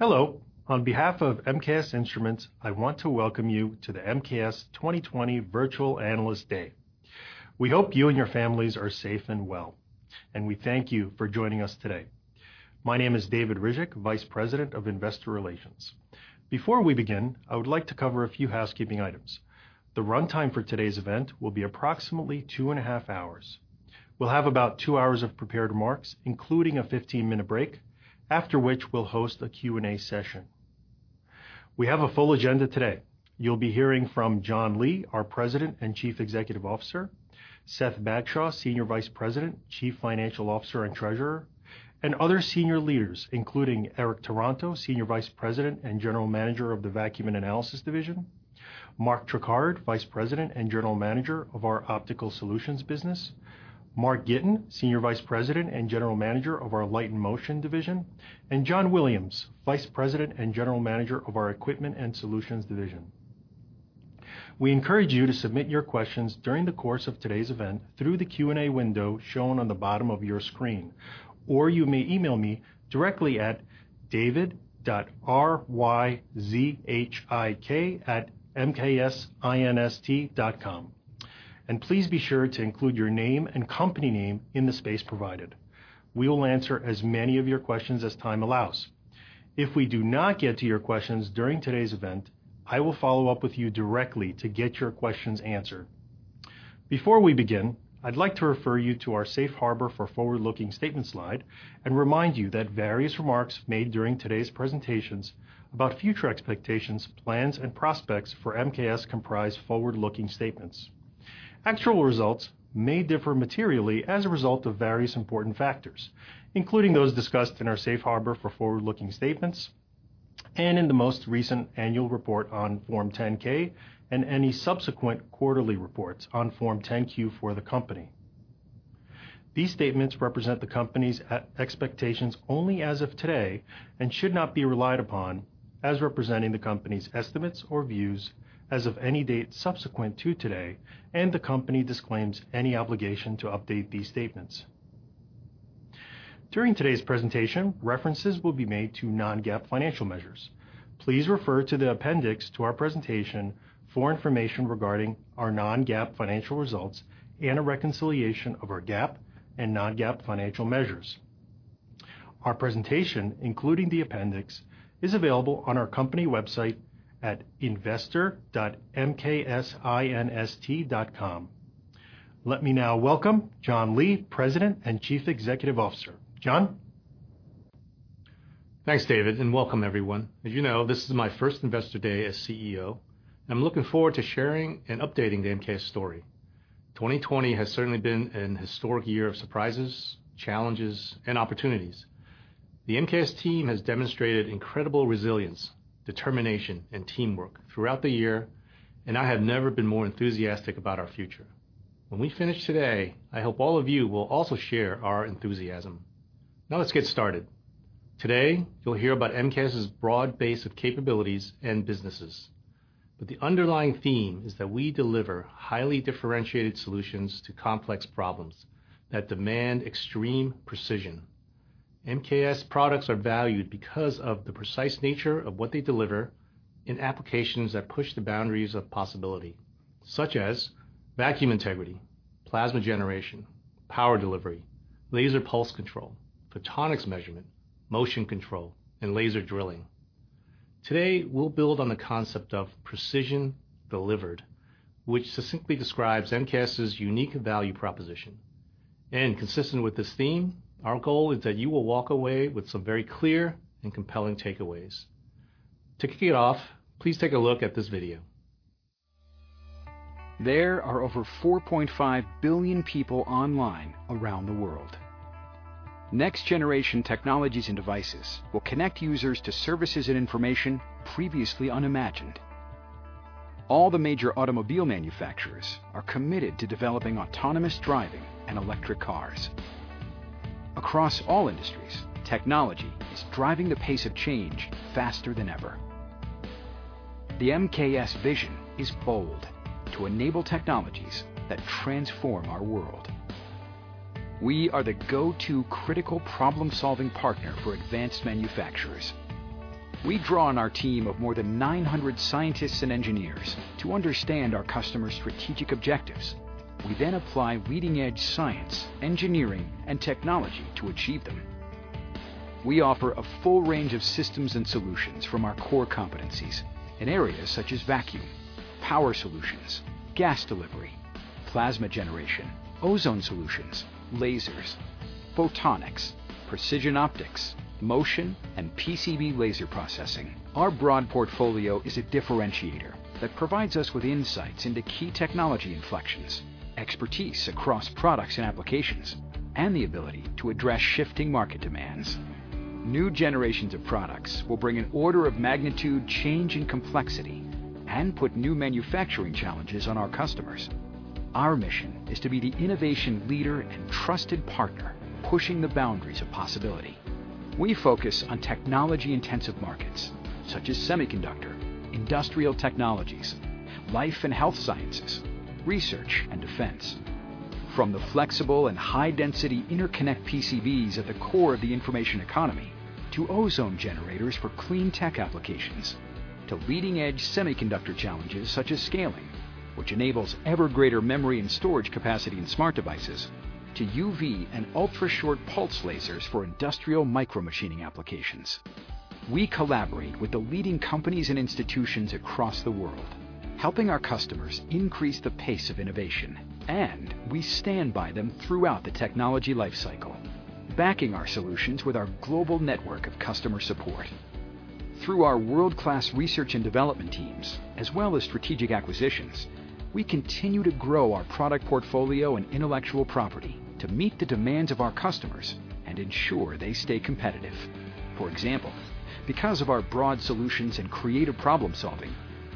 Hello. On behalf of MKS Instruments, I want to welcome you to the MKS 2020 Virtual Analyst Day. We hope you and your families are safe and well, and we thank you for joining us today. My name is David Ryzhik, Vice President of Investor Relations. Before we begin, I would like to cover a few housekeeping items. The runtime for today's event will be approximately two and a half hours. We'll have about two hours of prepared remarks, including a 15-minute break, after which we'll host a Q&A session. We have a full agenda today. You'll be hearing from John Lee, our President and Chief Executive Officer, Seth Bagshaw, Senior Vice President, Chief Financial Officer, and Treasurer, and other senior leaders, including Eric Taranto, Senior Vice President and General Manager of the Vacuum & Analysis Division, Marc Tricard, Vice President and General Manager of our Optical Solutions business, Mark Gitin, Senior Vice President and General Manager of our Light & Motion Division, and John Williams, Vice President and General Manager of our Equipment & Solutions Division. We encourage you to submit your questions during the course of today's event through the Q&A window shown on the bottom of your screen, or you may email me directly at david.ryzhik@mksinst.com. And please be sure to include your name and company name in the space provided. We will answer as many of your questions as time allows. If we do not get to your questions during today's event, I will follow up with you directly to get your questions answered. Before we begin, I'd like to refer you to our safe harbor for forward-looking statement slide and remind you that various remarks made during today's presentations about future expectations, plans, and prospects for MKS comprise forward-looking statements. Actual results may differ materially as a result of various important factors, including those discussed in our safe harbor for forward-looking statements and in the most recent annual report on Form 10-K and any subsequent quarterly reports on Form 10-Q for the company. These statements represent the company's expectations only as of today and should not be relied upon as representing the company's estimates or views as of any date subsequent to today, and the company disclaims any obligation to update these statements. During today's presentation, references will be made to non-GAAP financial measures. Please refer to the appendix, to our presentation for information regarding our non-GAAP financial results and a reconciliation of our GAAP and non-GAAP financial measures. Our presentation, including the appendix, is available on our company website at investor.mksinst.com. Let me now welcome John Lee, President and Chief Executive Officer. John? Thanks, David, and welcome, everyone. As you know, this is my first Investor Day as CEO. I'm looking forward to sharing and updating the MKS story. 2020 has certainly been an historic year of surprises, challenges, and opportunities. The MKS team has demonstrated incredible resilience, determination, and teamwork throughout the year, and I have never been more enthusiastic about our future. When we finish today, I hope all of you will also share our enthusiasm. Now let's get started. Today, you'll hear about MKS's broad base of capabilities and businesses, but the underlying theme is that we deliver highly differentiated solutions to complex problems that demand extreme precision. MKS products are valued because of the precise nature of what they deliver in applications that push the boundaries of possibility, such as vacuum integrity, plasma generation, power delivery, laser pulse control, photonics measurement, motion control, and laser drilling. Today, we'll build on the concept of precision delivered, which succinctly describes MKS's unique value proposition. Consistent with this theme, our goal is that you will walk away with some very clear and compelling takeaways. To kick it off, please take a look at this video. There are over 4.5 billion people online around the world. Next-generation technologies and devices will connect users to services and information previously unimagined. All the major automobile manufacturers are committed to developing autonomous driving and electric cars. Across all industries, technology is driving the pace of change faster than ever. The MKS vision is bold: to enable technologies that transform our world. We are the go-to critical problem-solving partner for advanced manufacturers. We draw on our team of more than 900 scientists and engineers to understand our customers' strategic objectives. We then apply leading-edge science, engineering, and technology to achieve them. We offer a full range of systems and solutions from our core competencies in areas such as vacuum, power solutions, gas delivery, plasma generation, ozone solutions, lasers, photonics, precision optics, motion, and PCB laser processing. Our broad portfolio is a differentiator that provides us with insights into key technology inflections, expertise across products and applications, and the ability to address shifting market demands. New generations of products will bring an order of magnitude change in complexity and put new manufacturing challenges on our customers. Our mission is to be the innovation leader and trusted partner, pushing the boundaries of possibility. We focus on technology-intensive markets such as Semiconductor, Industrial Technologies, Life & Health Sciences, Research & Defense. From the flexible and high-density interconnect PCBs at the core of the information economy, to ozone generators for clean tech applications, to leading-edge semiconductor challenges, such as scaling, which enables ever greater memory and storage capacity in smart devices, to UV and ultrashort pulse lasers for industrial micromachining applications. We collaborate with the leading companies and institutions across the world, helping our customers increase the pace of innovation, and we stand by them throughout the technology life cycle, backing our solutions with our global network of customer support. Through our world-class research and development teams, as well as strategic acquisitions, we continue to grow our product portfolio and intellectual property to meet the demands of our customers and ensure they stay competitive. For example, because of our broad solutions and creative problem-solving,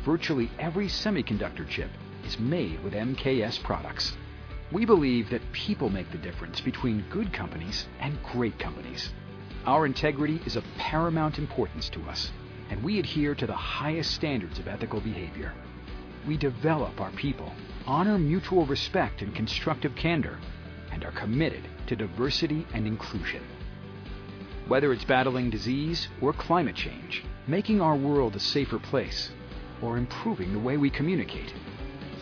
virtually every semiconductor chip is made with MKS products. We believe that people make the difference between good companies and great companies. Our integrity is of paramount importance to us, and we adhere to the highest standards of ethical behavior. We develop our people, honor mutual respect and constructive candor, and are committed to diversity and inclusion. Whether it's battling disease or climate change, making our world a safer place or improving the way we communicate,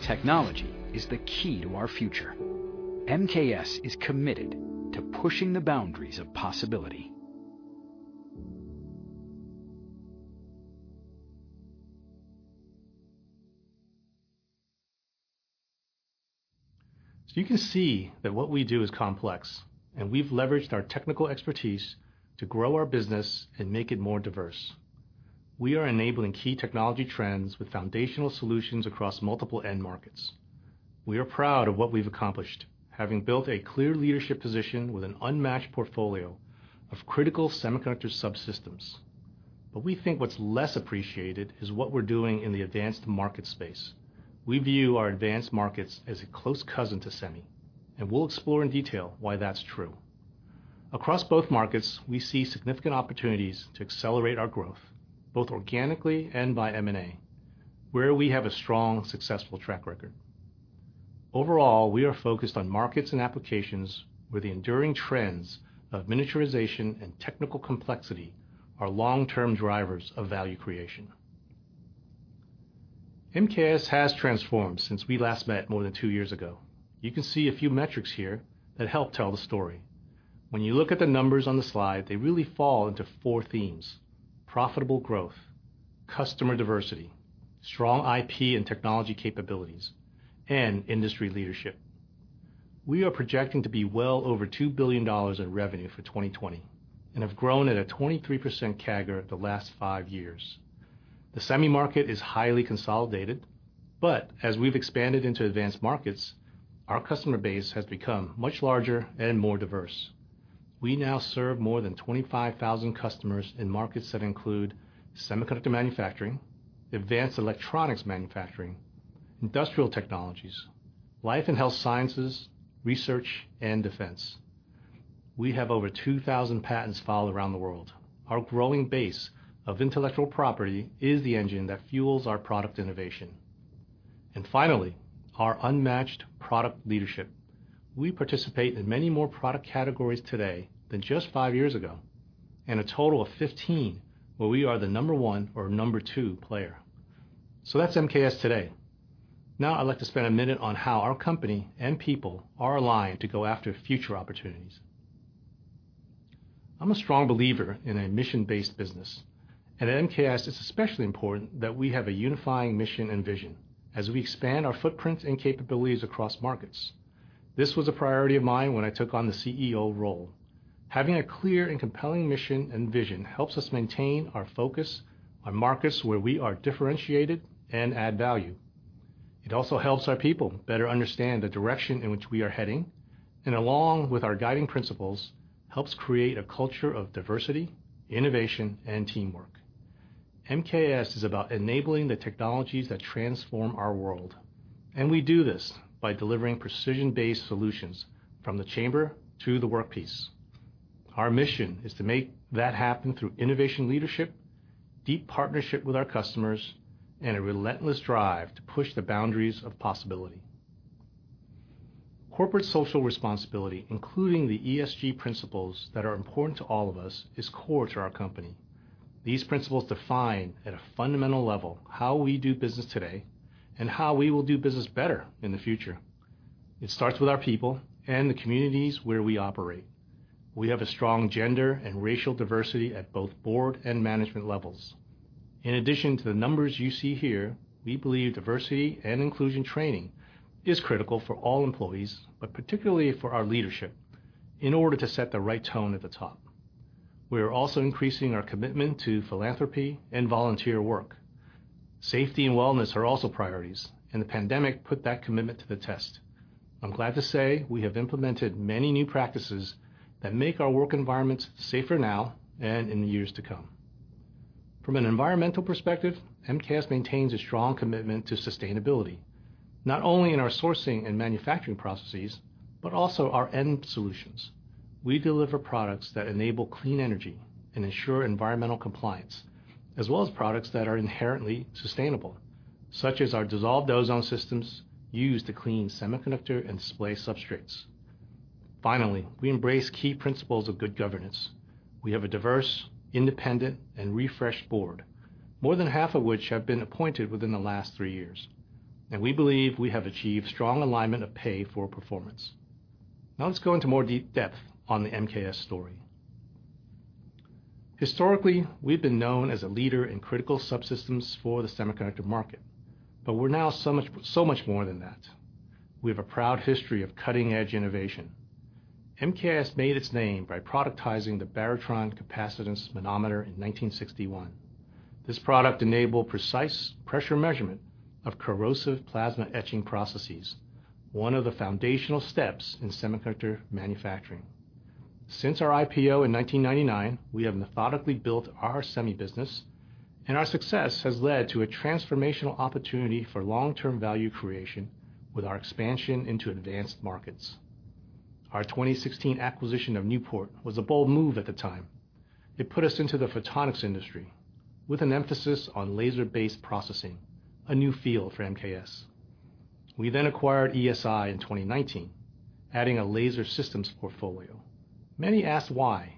technology is the key to our future. MKS is committed to pushing the boundaries of possibility. So you can see that what we do is complex, and we've leveraged our technical expertise to grow our business and make it more diverse. We are enabling key technology trends with foundational solutions across multiple end markets. We are proud of what we've accomplished, having built a clear leadership position with an unmatched portfolio of critical semiconductor subsystems. But we think what's less appreciated is what we're doing in the advanced market space. We view our Advanced Markets as a close cousin to Semi, and we'll explore in detail why that's true. Across both markets, we see significant opportunities to accelerate our growth, both organically and by M&A, where we have a strong, successful track record. Overall, we are focused on markets and applications where the enduring trends of miniaturization and technical complexity are long-term drivers of value creation. MKS has transformed since we last met more than two years ago. You can see a few metrics here that help tell the story. When you look at the numbers on the slide, they really fall into four themes: profitable growth, customer diversity, strong IP and technology capabilities, and industry leadership. We are projecting to be well over $2 billion in revenue for 2020, and have grown at a 23% CAGR the last five years. The Semi market is highly consolidated, but as we've expanded into Advanced Markets, our customer base has become much larger and more diverse. We now serve more than 25,000 customers in markets that include semiconductor manufacturing, Advanced Electronics manufacturing, Industrial Technologies, Life & Health Sciences, research, and defense. We have over 2,000 patents filed around the world. Our growing base of intellectual property is the engine that fuels our product innovation. Finally, our unmatched product leadership. We participate in many more product categories today than just five years ago, and a total of 15 where we are the number one or number two player. That's MKS today. Now, I'd like to spend a minute on how our company and people are aligned to go after future opportunities. I'm a strong believer in a mission-based business, and at MKS, it's especially important that we have a unifying mission and vision as we expand our footprint and capabilities across markets. This was a priority of mine when I took on the CEO role. Having a clear and compelling mission and vision helps us maintain our focus on markets where we are differentiated and add value. It also helps our people better understand the direction in which we are heading, and along with our guiding principles, helps create a culture of diversity, innovation, and teamwork. MKS is about enabling the technologies that transform our world, and we do this by delivering precision-based solutions from the chamber to the workpiece. Our mission is to make that happen through innovation leadership, deep partnership with our customers, and a relentless drive to push the boundaries of possibility. Corporate social responsibility, including the ESG principles that are important to all of us, is core to our company. These principles define at a fundamental level, how we do business today and how we will do business better in the future. It starts with our people and the communities where we operate. We have a strong gender and racial diversity at both board and management levels. In addition to the numbers you see here, we believe diversity and inclusion training is critical for all employees, but particularly for our leadership, in order to set the right tone at the top. We are also increasing our commitment to philanthropy and volunteer work. Safety and wellness are also priorities, and the pandemic put that commitment to the test. I'm glad to say we have implemented many new practices that make our work environments safer now and in the years to come. From an environmental perspective, MKS maintains a strong commitment to sustainability, not only in our sourcing and manufacturing processes, but also our end solutions. We deliver products that enable clean energy and ensure environmental compliance, as well as products that are inherently sustainable, such as our dissolved ozone systems used to clean semiconductor and display substrates. Finally, we embrace key principles of good governance. We have a diverse, independent, and refreshed board, more than half of which have been appointed within the last three years, and we believe we have achieved strong alignment of pay for performance. Now, let's go into more depth on the MKS story. Historically, we've been known as a leader in critical subsystems for the semiconductor market, but we're now so much, so much more than that. We have a proud history of cutting-edge innovation. MKS made its name by productizing the Barotron capacitance manometer in 1961. This product enabled precise pressure measurement of corrosive plasma etching processes, one of the foundational steps in semiconductor manufacturing. Since our IPO in 1999, we have methodically built our Semi business, and our success has led to a transformational opportunity for long-term value creation with our expansion into Advanced Markets. Our 2016 acquisition of Newport was a bold move at the time. It put us into the photonics industry with an emphasis on laser-based processing, a new field for MKS. We then acquired ESI in 2019, adding a laser systems portfolio. Many asked why,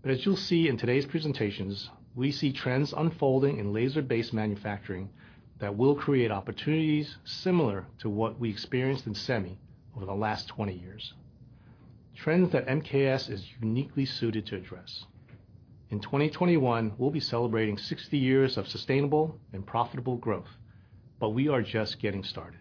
but as you'll see in today's presentations, we see trends unfolding in laser-based manufacturing that will create opportunities similar to what we experienced in Semi over the last 20 years, trends that MKS is uniquely suited to address. In 2021, we'll be celebrating 60 years of sustainable and profitable growth, but we are just getting started.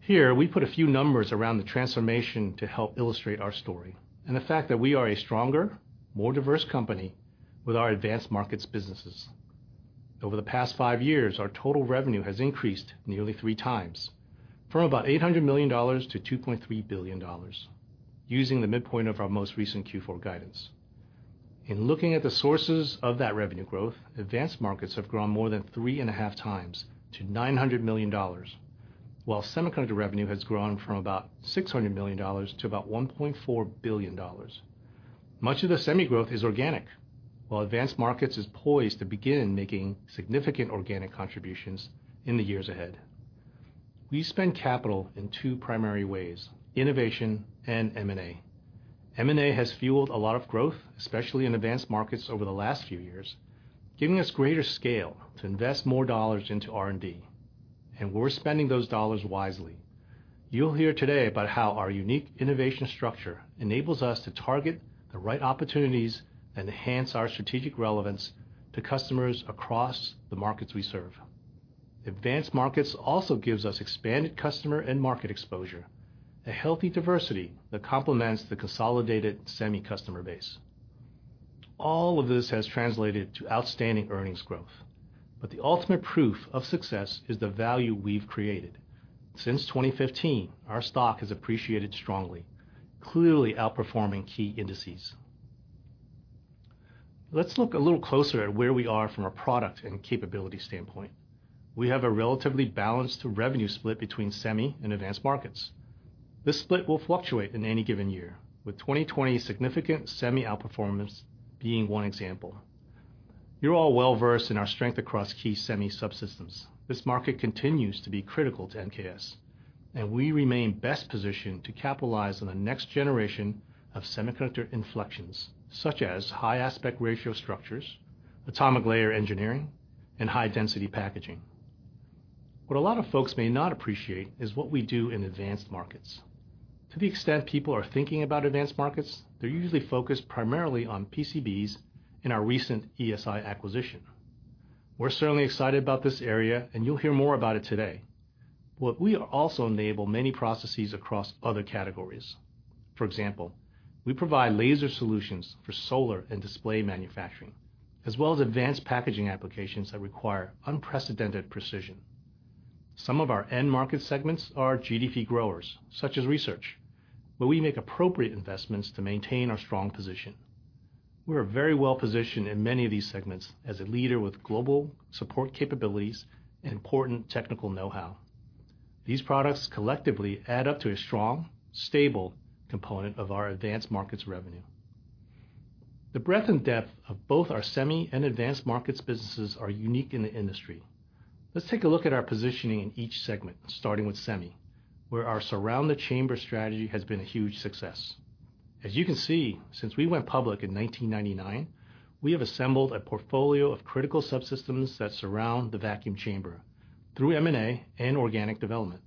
Here, we put a few numbers around the transformation to help illustrate our story and the fact that we are a stronger, more diverse company with our Advanced Markets businesses. Over the past five years, our total revenue has increased nearly three times, from about $800 million to $2.3 billion, using the midpoint of our most recent Q4 guidance. In looking at the sources of that revenue growth, Advanced Markets have grown more than 3.5 times to $900 million, while semiconductor revenue has grown from about $600 million to about $1.4 billion. Much of the Semi growth is organic, while Advanced Markets is poised to begin making significant organic contributions in the years ahead. We spend capital in two primary ways: innovation and M&A. M&A has fueled a lot of growth, especially in Advanced Markets over the last few years, giving us greater scale to invest more dollars into R&D, and we're spending those dollars wisely. You'll hear today about how our unique innovation structure enables us to target the right opportunities and enhance our strategic relevance to customers across the markets we serve. Advanced Markets also gives us expanded customer and market exposure, a healthy diversity that complements the consolidated Semi customer base. All of this has translated to outstanding earnings growth, but the ultimate proof of success is the value we've created. Since 2015, our stock has appreciated strongly, clearly outperforming key indices. Let's look a little closer at where we are from a product and capability standpoint. We have a relatively balanced revenue split between Semi and Advanced Markets. This split will fluctuate in any given year, with 2020's significant Semi outperformance being one example. You're all well-versed in our strength across key Semi subsystems. This market continues to be critical to MKS, and we remain best positioned to capitalize on the next generation of semiconductor inflections, such as high aspect ratio structures, atomic layer engineering, and high-density packaging. What a lot of folks may not appreciate is what we do in Advanced Markets. To the extent people are thinking about Advanced Markets, they're usually focused primarily on PCBs and our recent ESI acquisition. We're certainly excited about this area, and you'll hear more about it today. But we also enable many processes across other categories. For example, we provide laser solutions for solar and display manufacturing, as well as advanced packaging applications that require unprecedented precision. Some of our end market segments are GDP growers, such as research, where we make appropriate investments to maintain our strong position. We are very well positioned in many of these segments as a leader with global support capabilities and important technical know-how. These products collectively add up to a strong, stable component of our Advanced Markets revenue. The breadth and depth of both our Semi and Advanced Markets businesses are unique in the industry. Let's take a look at our positioning in each segment, starting with Semi, where our Surround the Chamber strategy has been a huge success. As you can see, since we went public in 1999, we have assembled a portfolio of critical subsystems that surround the vacuum chamber through M&A and organic development.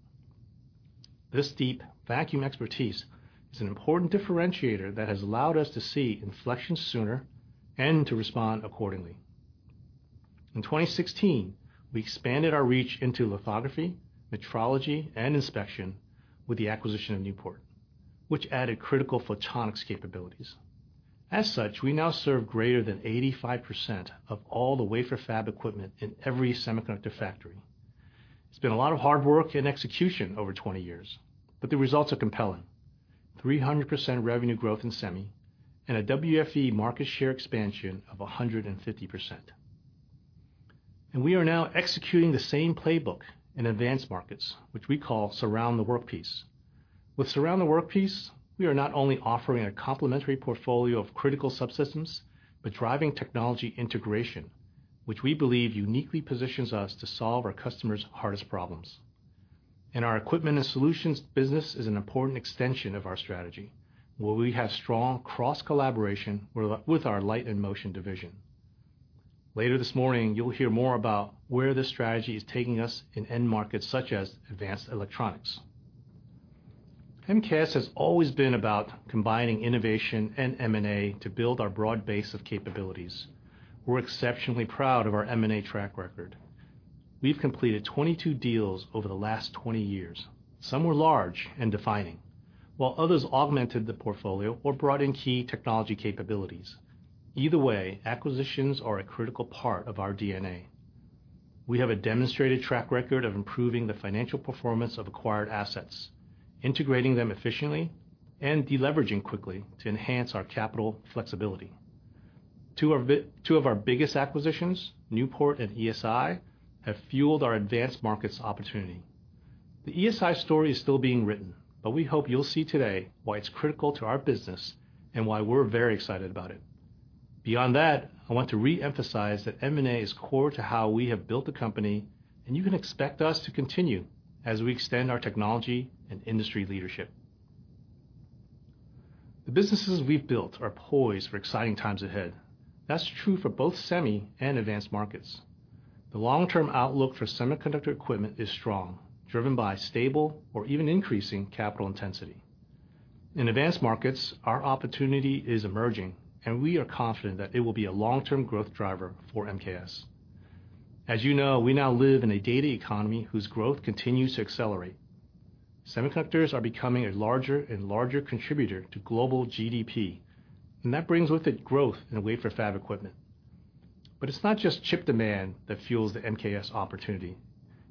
This deep vacuum expertise is an important differentiator that has allowed us to see inflection sooner and to respond accordingly. In 2016, we expanded our reach into lithography, metrology, and inspection with the acquisition of Newport, which added critical photonics capabilities. As such, we now serve greater than 85% of all the wafer fab equipment in every semiconductor factory. It's been a lot of hard work and execution over 20 years, but the results are compelling. 300% revenue growth in Semi and a WFE market share expansion of 150%. And we are now executing the same playbook in Advanced Markets, which we call Surround the Workpiece. With Surround the Workpiece, we are not only offering a complementary portfolio of critical subsystems, but driving technology integration, which we believe uniquely positions us to solve our customers' hardest problems. And our Equipment & Solutions business is an important extension of our strategy, where we have strong cross-collaboration with our Light & Motion Division. Later this morning, you'll hear more about where this strategy is taking us in end markets such as Advanced Electronics. MKS has always been about combining innovation and M&A to build our broad base of capabilities. We're exceptionally proud of our M&A track record. We've completed 22 deals over the last 20 years. Some were large and defining, while others augmented the portfolio or brought in key technology capabilities. Either way, acquisitions are a critical part of our DNA. We have a demonstrated track record of improving the financial performance of acquired assets, integrating them efficiently, and de-leveraging quickly to enhance our capital flexibility. Two of our, two of our biggest acquisitions, Newport and ESI, have fueled our Advanced Markets opportunity. The ESI story is still being written, but we hope you'll see today why it's critical to our business and why we're very excited about it. Beyond that, I want to re-emphasize that M&A is core to how we have built the company, and you can expect us to continue as we extend our technology and industry leadership. The businesses we've built are poised for exciting times ahead. That's true for both Semi and Advanced Markets. The long-term outlook for semiconductor equipment is strong, driven by stable or even increasing capital intensity. In Advanced Markets, our opportunity is emerging, and we are confident that it will be a long-term growth driver for MKS. As you know, we now live in a data economy whose growth continues to accelerate. Semiconductors are becoming a larger and larger contributor to global GDP, and that brings with it growth in wafer fab equipment. But it's not just chip demand that fuels the MKS opportunity.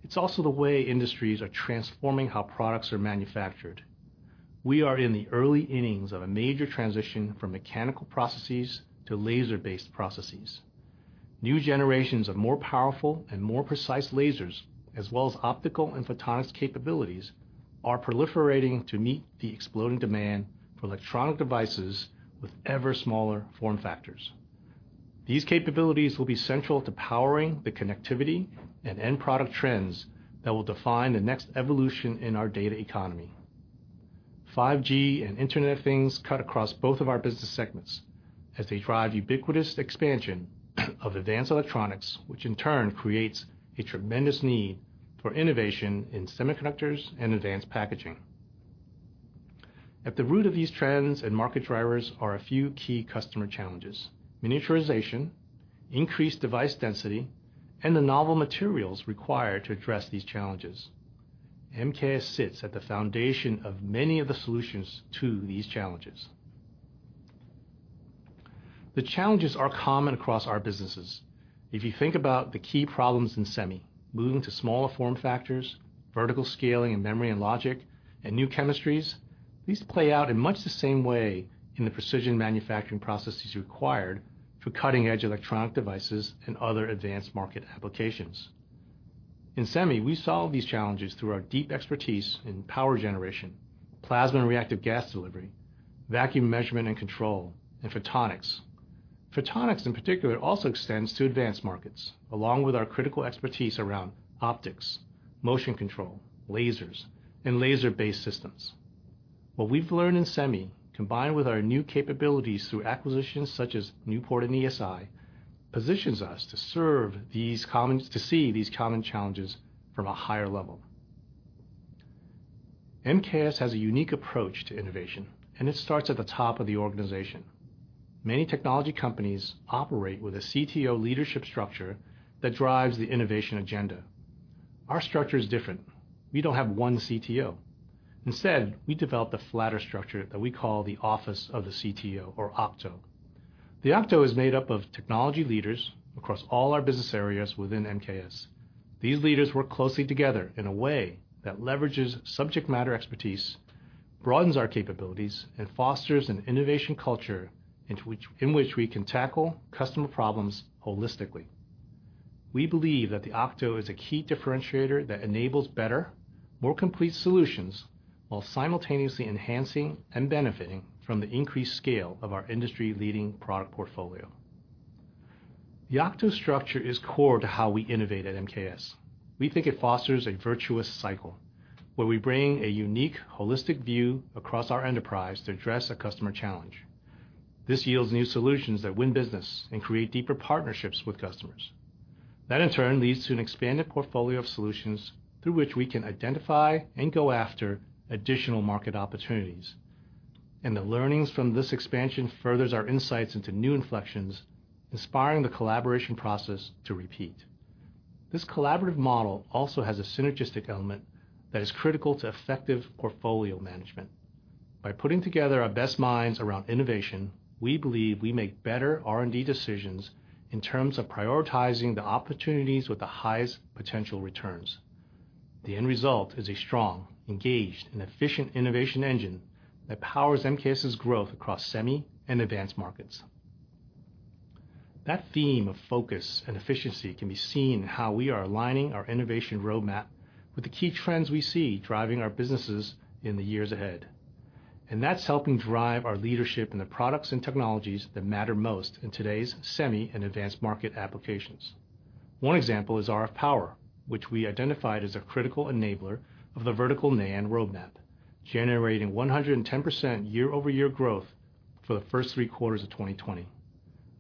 It's also the way industries are transforming how products are manufactured. We are in the early innings of a major transition from mechanical processes to laser-based processes. New generations of more powerful and more precise lasers, as well as optical and photonics capabilities, are proliferating to meet the exploding demand for electronic devices with ever smaller form factors. These capabilities will be central to powering the connectivity and end product trends that will define the next evolution in our data economy. 5G and Internet of Things cut across both of our business segments as they drive ubiquitous expansion of Advanced Electronics, which in turn creates a tremendous need for innovation in semiconductors and advanced packaging. At the root of these trends and market drivers are a few key customer challenges: miniaturization, increased device density, and the novel materials required to address these challenges. MKS sits at the foundation of many of the solutions to these challenges. The challenges are common across our businesses. If you think about the key problems in Semi, moving to smaller form factors, vertical scaling and memory and logic, and new chemistries, these play out in much the same way in the precision manufacturing processes required for cutting-edge electronic devices and other advanced market applications. In Semi, we solve these challenges through our deep expertise in power generation, plasma and reactive gas delivery, vacuum measurement and control, and photonics. Photonics, in particular, also extends to Advanced Markets, along with our critical expertise around optics, motion control, lasers, and laser-based systems. What we've learned in Semi, combined with our new capabilities through acquisitions such as Newport and ESI, positions us to see these common challenges from a higher level. MKS has a unique approach to innovation, and it starts at the top of the organization. Many technology companies operate with a CTO leadership structure that drives the innovation agenda. Our structure is different. We don't have one CTO. Instead, we developed a flatter structure that we call the Office of the CTO, or OCTO. The OCTO is made up of technology leaders across all our business areas within MKS. These leaders work closely together in a way that leverages subject matter expertise, broadens our capabilities, and fosters an innovation culture in which we can tackle customer problems holistically. We believe that the OCTO is a key differentiator that enables better, more complete solutions, while simultaneously enhancing and benefiting from the increased scale of our industry-leading product portfolio. The OCTO structure is core to how we innovate at MKS. We think it fosters a virtuous cycle, where we bring a unique, holistic view across our enterprise to address a customer challenge. This yields new solutions that win business and create deeper partnerships with customers. That, in turn, leads to an expanded portfolio of solutions through which we can identify and go after additional market opportunities. The learnings from this expansion further our insights into new inflections, inspiring the collaboration process to repeat. This collaborative model also has a synergistic element that is critical to effective portfolio management. By putting together our best minds around innovation, we believe we make better R&D decisions in terms of prioritizing the opportunities with the highest potential returns. The end result is a strong, engaged, and efficient innovation engine that powers MKS's growth across Semi and Advanced Markets. That theme of focus and efficiency can be seen in how we are aligning our innovation roadmap with the key trends we see driving our businesses in the years ahead, and that's helping drive our leadership in the products and technologies that matter most in today's Semi and advanced market applications. One example is RF power, which we identified as a critical enabler of the vertical NAND roadmap, generating 110% year-over-year growth for the first three quarters of 2020.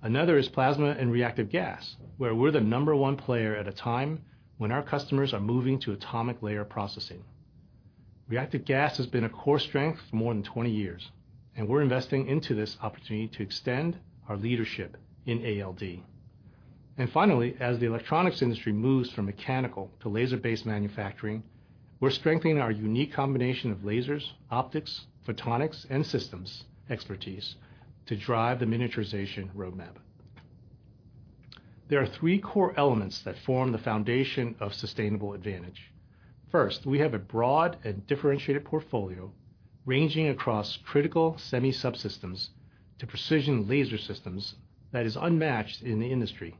Another is plasma and reactive gas, where we're the number one player at a time when our customers are moving to atomic layer processing. Reactive gas has been a core strength for more than 20 years, and we're investing into this opportunity to extend our leadership in ALD. Finally, as the electronics industry moves from mechanical to laser-based manufacturing, we're strengthening our unique combination of lasers, optics, photonics, and systems expertise to drive the miniaturization roadmap. There are three core elements that form the foundation of sustainable advantage. First, we have a broad and differentiated portfolio, ranging across critical Semi subsystems to precision laser systems, that is unmatched in the industry.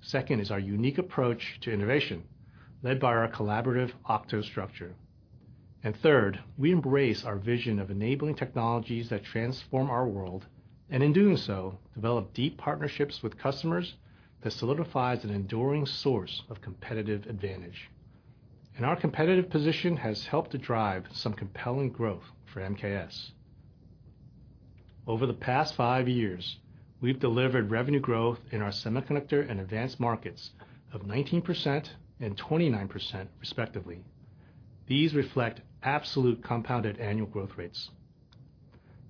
Second is our unique approach to innovation, led by our collaborative OCTO structure. And third, we embrace our vision of enabling technologies that transform our world, and in doing so, develop deep partnerships with customers that solidifies an enduring source of competitive advantage. And our competitive position has helped to drive some compelling growth for MKS. Over the past five years, we've delivered revenue growth in our Semiconductor and Advanced Markets of 19% and 29%, respectively. These reflect absolute compounded annual growth rates.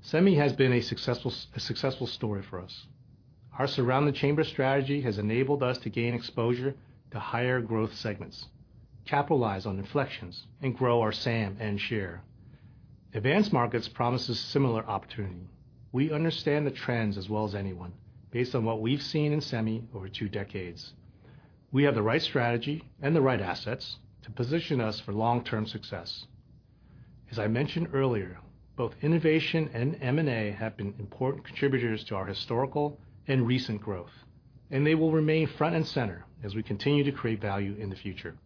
Semi has been a successful story for us. Our Surround the Chamber strategy has enabled us to gain exposure to higher growth segments, capitalize on inflections, and grow our SAM and share. Advanced Markets promises similar opportunity. We understand the trends as well as anyone, based on what we've seen in Semi over two decades. We have the right strategy and the right assets to position us for long-term success. As I mentioned earlier, both innovation and M&A have been important contributors to our historical and recent growth, and they will remain front and center as we continue to create value in the future.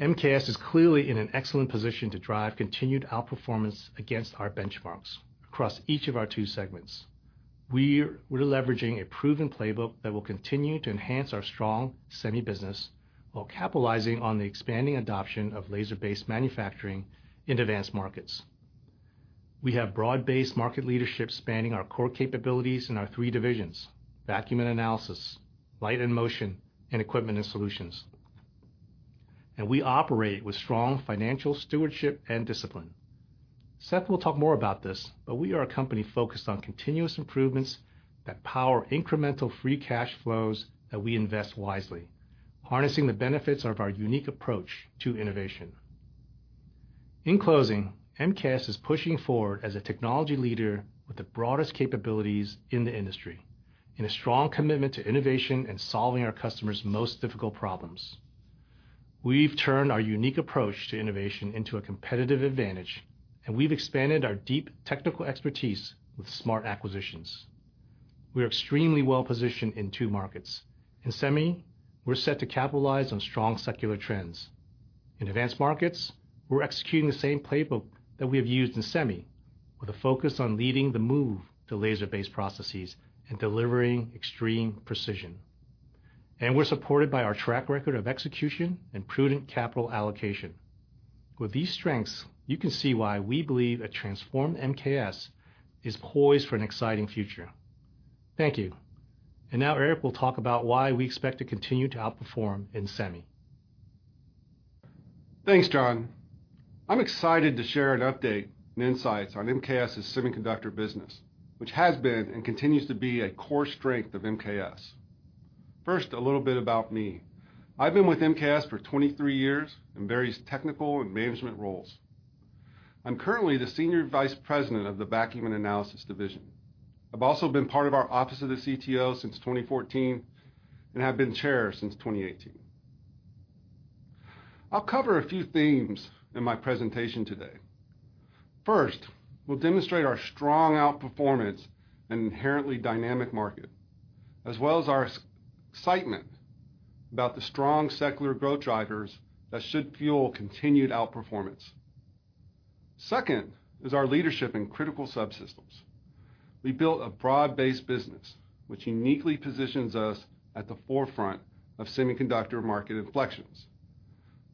MKS is clearly in an excellent position to drive continued outperformance against our benchmarks across each of our two segments. We're leveraging a proven playbook that will continue to enhance our strong Semi business, while capitalizing on the expanding adoption of laser-based manufacturing in Advanced Markets. We have broad-based market leadership spanning our core capabilities in our three divisions: Vacuum & Analysis, Light & Motion, and Equipment & Solutions. We operate with strong financial stewardship and discipline. Seth will talk more about this, but we are a company focused on continuous improvements that power incremental free cash flows that we invest wisely, harnessing the benefits of our unique approach to innovation. In closing, MKS is pushing forward as a technology leader with the broadest capabilities in the industry, and a strong commitment to innovation and solving our customers' most difficult problems. We've turned our unique approach to innovation into a competitive advantage, and we've expanded our deep technical expertise with smart acquisitions. We are extremely well-positioned in two markets. In Semi, we're set to capitalize on strong secular trends. In Advanced Markets, we're executing the same playbook that we have used in Semi, with a focus on leading the move to laser-based processes and delivering extreme precision. And we're supported by our track record of execution and prudent capital allocation. With these strengths, you can see why we believe a transformed MKS is poised for an exciting future. Thank you. And now Eric will talk about why we expect to continue to outperform in Semi. Thanks, John. I'm excited to share an update and insights on MKS's semiconductor business, which has been and continues to be a core strength of MKS. First, a little bit about me. I've been with MKS for 23 years in various technical and management roles. I'm currently the Senior Vice President of the Vacuum & Analysis Division. I've also been part of our Office of the CTO since 2014 and have been chair since 2018. I'll cover a few themes in my presentation today. First, we'll demonstrate our strong outperformance in an inherently dynamic market, as well as our excitement about the strong secular growth drivers that should fuel continued outperformance. Second, is our leadership in critical subsystems. We built a broad-based business, which uniquely positions us at the forefront of semiconductor market inflections.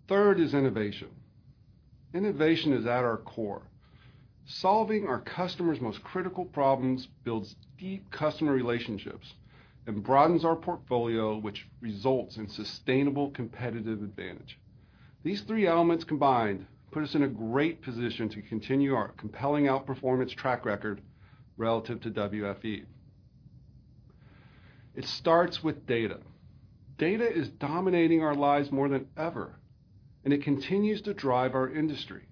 Third is innovation. Innovation is at our core. Solving our customers' most critical problems builds deep customer relationships and broadens our portfolio, which results in sustainable competitive advantage. These three elements combined put us in a great position to continue our compelling outperformance track record relative to WFE. It starts with data. Data is dominating our lives more than ever, and it continues to drive our industry...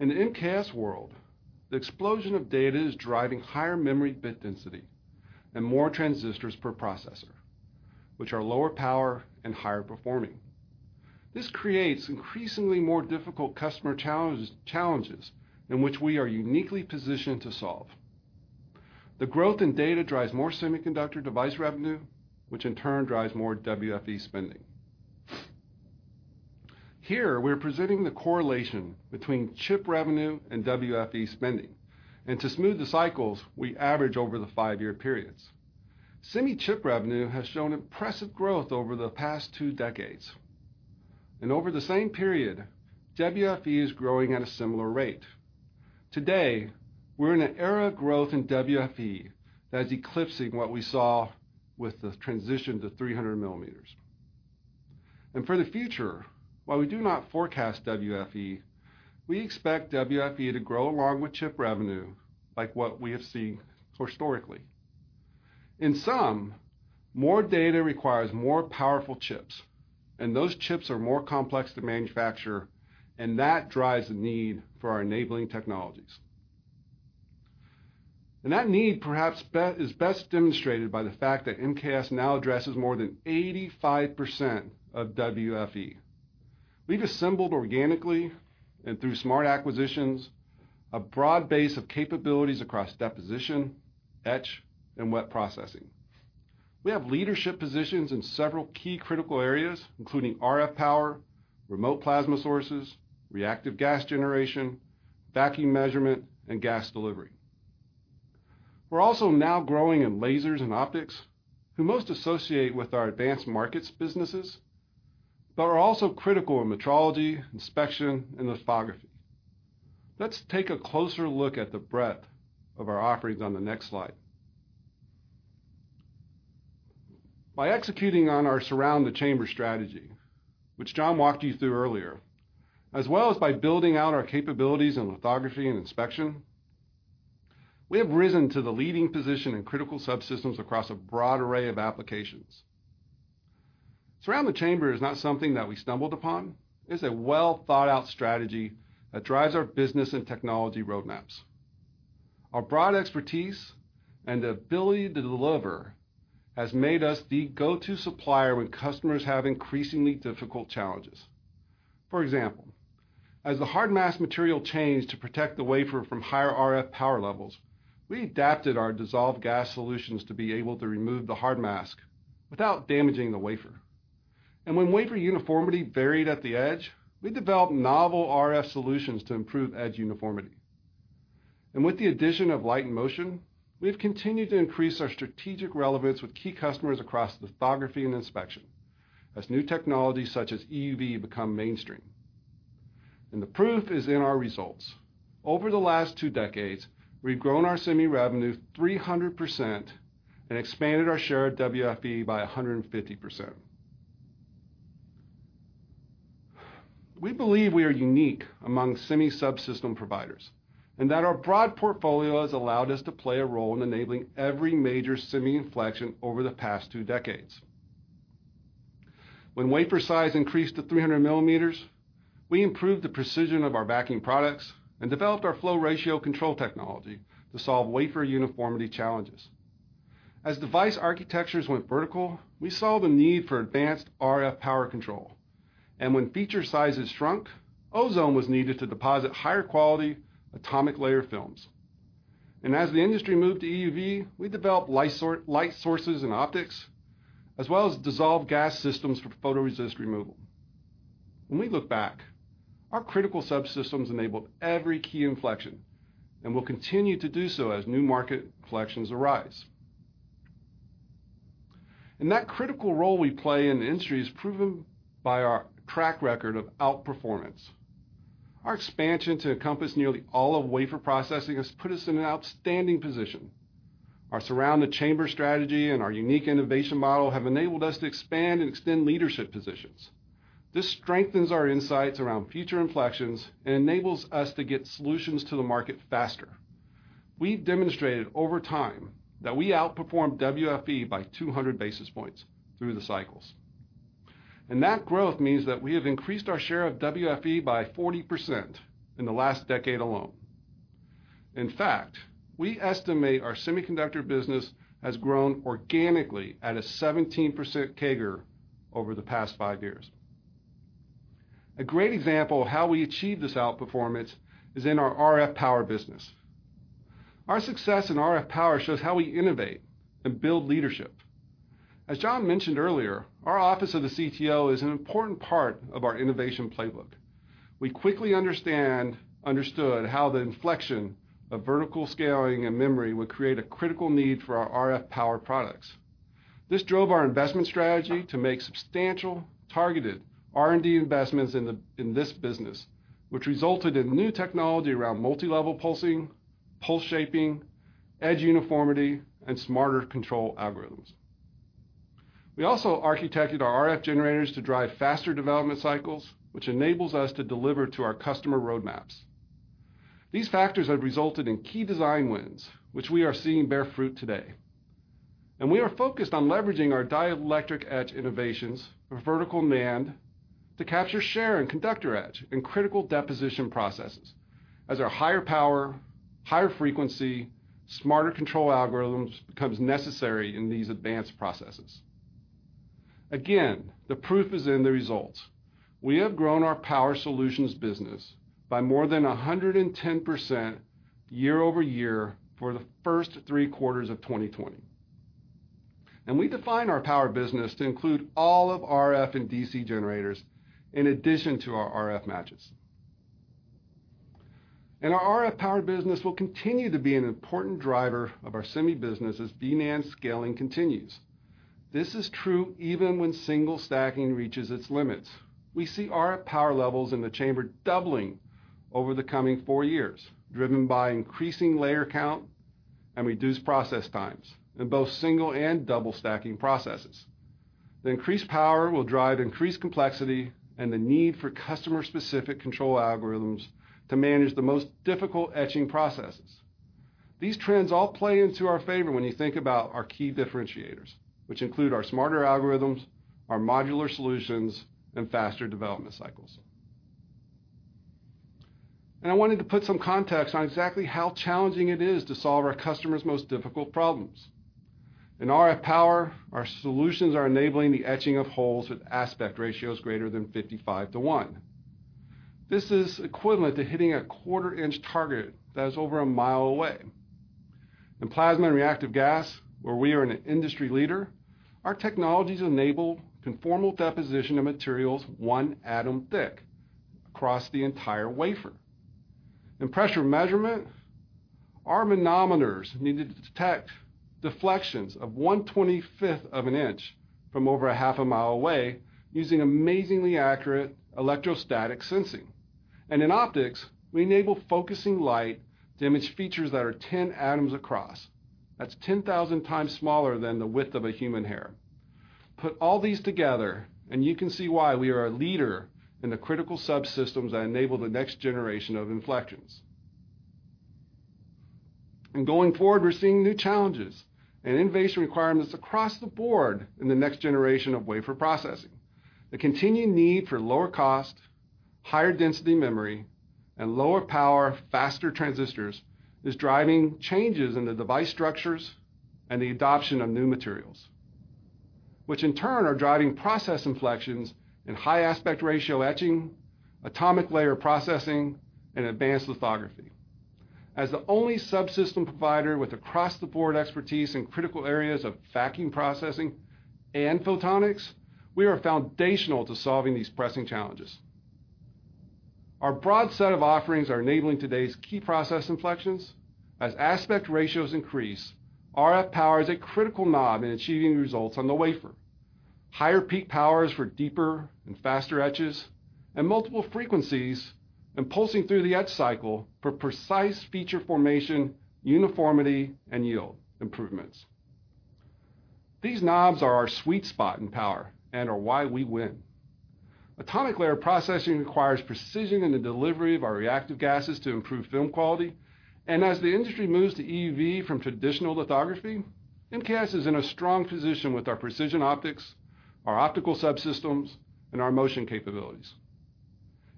In the MKS world, the explosion of data is driving higher memory bit density and more transistors per processor, which are lower power and higher performing. This creates increasingly more difficult customer challenges, challenges in which we are uniquely positioned to solve. The growth in data drives more semiconductor device revenue, which in turn drives more WFE spending. Here, we're presenting the correlation between chip revenue and WFE spending, and to smooth the cycles, we average over the five-year periods. Semi chip revenue has shown impressive growth over the past two decades, and over the same period, WFE is growing at a similar rate. Today, we're in an era of growth in WFE that is eclipsing what we saw with the transition to 300 mm. For the future, while we do not forecast WFE, we expect WFE to grow along with chip revenue, like what we have seen historically. In sum, more data requires more powerful chips, and those chips are more complex to manufacture, and that drives the need for our enabling technologies. That need is best demonstrated by the fact that MKS now addresses more than 85% of WFE. We've assembled organically, and through smart acquisitions, a broad base of capabilities across deposition, etch, and wet processing. We have leadership positions in several key critical areas, including RF power, remote plasma sources, reactive gas generation, vacuum measurement, and gas delivery. We're also now growing in lasers and optics, who most associate with our Advanced Markets businesses, but are also critical in metrology, inspection, and lithography. Let's take a closer look at the breadth of our offerings on the next slide. By executing on our Surround the Chamber strategy, which John walked you through earlier, as well as by building out our capabilities in lithography and inspection, we have risen to the leading position in critical subsystems across a broad array of applications. Surround the Chamber is not something that we stumbled upon. It's a well-thought-out strategy that drives our business and technology roadmaps. Our broad expertise and the ability to deliver has made us the go-to supplier when customers have increasingly difficult challenges. For example, as the hard mask material changed to protect the wafer from higher RF power levels, we adapted our dissolved gas solutions to be able to remove the hard mask without damaging the wafer. When wafer uniformity varied at the edge, we developed novel RF solutions to improve edge uniformity. With the addition of Light & Motion, we've continued to increase our strategic relevance with key customers across lithography and inspection as new technologies, such as EUV, become mainstream. The proof is in our results. Over the last two decades, we've grown our Semi revenue 300% and expanded our share of WFE by 150%. We believe we are unique among semi-subsystem providers, and that our broad portfolio has allowed us to play a role in enabling every major semi-inflection over the past two decades. When wafer size increased to 300 mm, we improved the precision of our backing products and developed our flow ratio control technology to solve wafer uniformity challenges. As device architectures went vertical, we saw the need for advanced RF power control, and when feature sizes shrunk, ozone was needed to deposit higher quality atomic layer films. And as the industry moved to EUV, we developed light sources and optics, as well as dissolved gas systems for photoresist removal. When we look back, our critical subsystems enabled every key inflection and will continue to do so as new market inflections arise. And that critical role we play in the industry is proven by our track record of outperformance. Our expansion to encompass nearly all of wafer processing has put us in an outstanding position. Our Surround the Chamber strategy and our unique innovation model have enabled us to expand and extend leadership positions. This strengthens our insights around future inflections and enables us to get solutions to the market faster. We've demonstrated over time that we outperform WFE by 200 basis points through the cycles. That growth means that we have increased our share of WFE by 40% in the last decade alone. In fact, we estimate our semiconductor business has grown organically at a 17% CAGR over the past five years. A great example of how we achieve this outperformance is in our RF power business. Our success in RF power shows how we innovate and build leadership. As John mentioned earlier, our Office of the CTO is an important part of our innovation playbook. We quickly understood how the inflection of vertical scaling and memory would create a critical need for our RF power products. This drove our investment strategy to make substantial, targeted R&D investments in this business, which resulted in new technology around multi-level pulsing, pulse shaping, edge uniformity, and smarter control algorithms. We also architected our RF generators to drive faster development cycles, which enables us to deliver to our customer roadmaps. These factors have resulted in key design wins, which we are seeing bear fruit today. And we are focused on leveraging our dielectric etch innovations for vertical NAND to capture share in conductor etch in critical deposition processes, as our higher power, higher frequency, smarter control algorithms becomes necessary in these advanced processes. Again, the proof is in the results. We have grown our power solutions business by more than 110% year-over-year for the first three quarters of 2020. We define our power business to include all of RF and DC generators, in addition to our RF matches. Our RF power business will continue to be an important driver of our Semi business as 3D NAND scaling continues. This is true even when single stacking reaches its limits. We see RF power levels in the chamber doubling over the coming four years, driven by increasing layer count and reduced process times in both single and double stacking processes. The increased power will drive increased complexity and the need for customer-specific control algorithms to manage the most difficult etching processes. These trends all play into our favor when you think about our key differentiators, which include our smarter algorithms, our modular solutions, and faster development cycles. I wanted to put some context on exactly how challenging it is to solve our customers' most difficult problems. In RF power, our solutions are enabling the etching of holes with aspect ratios greater than 55 to one. This is equivalent to hitting a quarter-inch target that is over a half a mile away. In plasma and reactive gas, where we are an industry leader, our technologies enable conformal deposition of materials one atom thick across the entire wafer. In pressure measurement, our manometers needed to detect deflections of 1/25 of an inch from over a half a mile away, using amazingly accurate electrostatic sensing. In optics, we enable focusing light to image features that are 10 atoms across. That's 10,000 times smaller than the width of a human hair. Put all these together, and you can see why we are a leader in the critical subsystems that enable the next generation of inflections. Going forward, we're seeing new challenges and innovation requirements across the board in the next generation of wafer processing. The continuing need for lower cost, higher density memory, and lower power, faster transistors, is driving changes in the device structures and the adoption of new materials, which in turn are driving process inflections in high aspect ratio etching, atomic layer processing, and advanced lithography. As the only subsystem provider with across-the-board expertise in critical areas of vacuum processing and photonics, we are foundational to solving these pressing challenges. Our broad set of offerings are enabling today's key process inflections. As aspect ratios increase, RF power is a critical knob in achieving results on the wafer. Higher peak powers for deeper and faster etches, and multiple frequencies, and pulsing through the etch cycle for precise feature formation, uniformity, and yield improvements. These knobs are our sweet spot in power and are why we win. Atomic layer processing requires precision in the delivery of our reactive gases to improve film quality, and as the industry moves to EUV from traditional lithography, MKS is in a strong position with our precision optics, our optical subsystems, and our motion capabilities.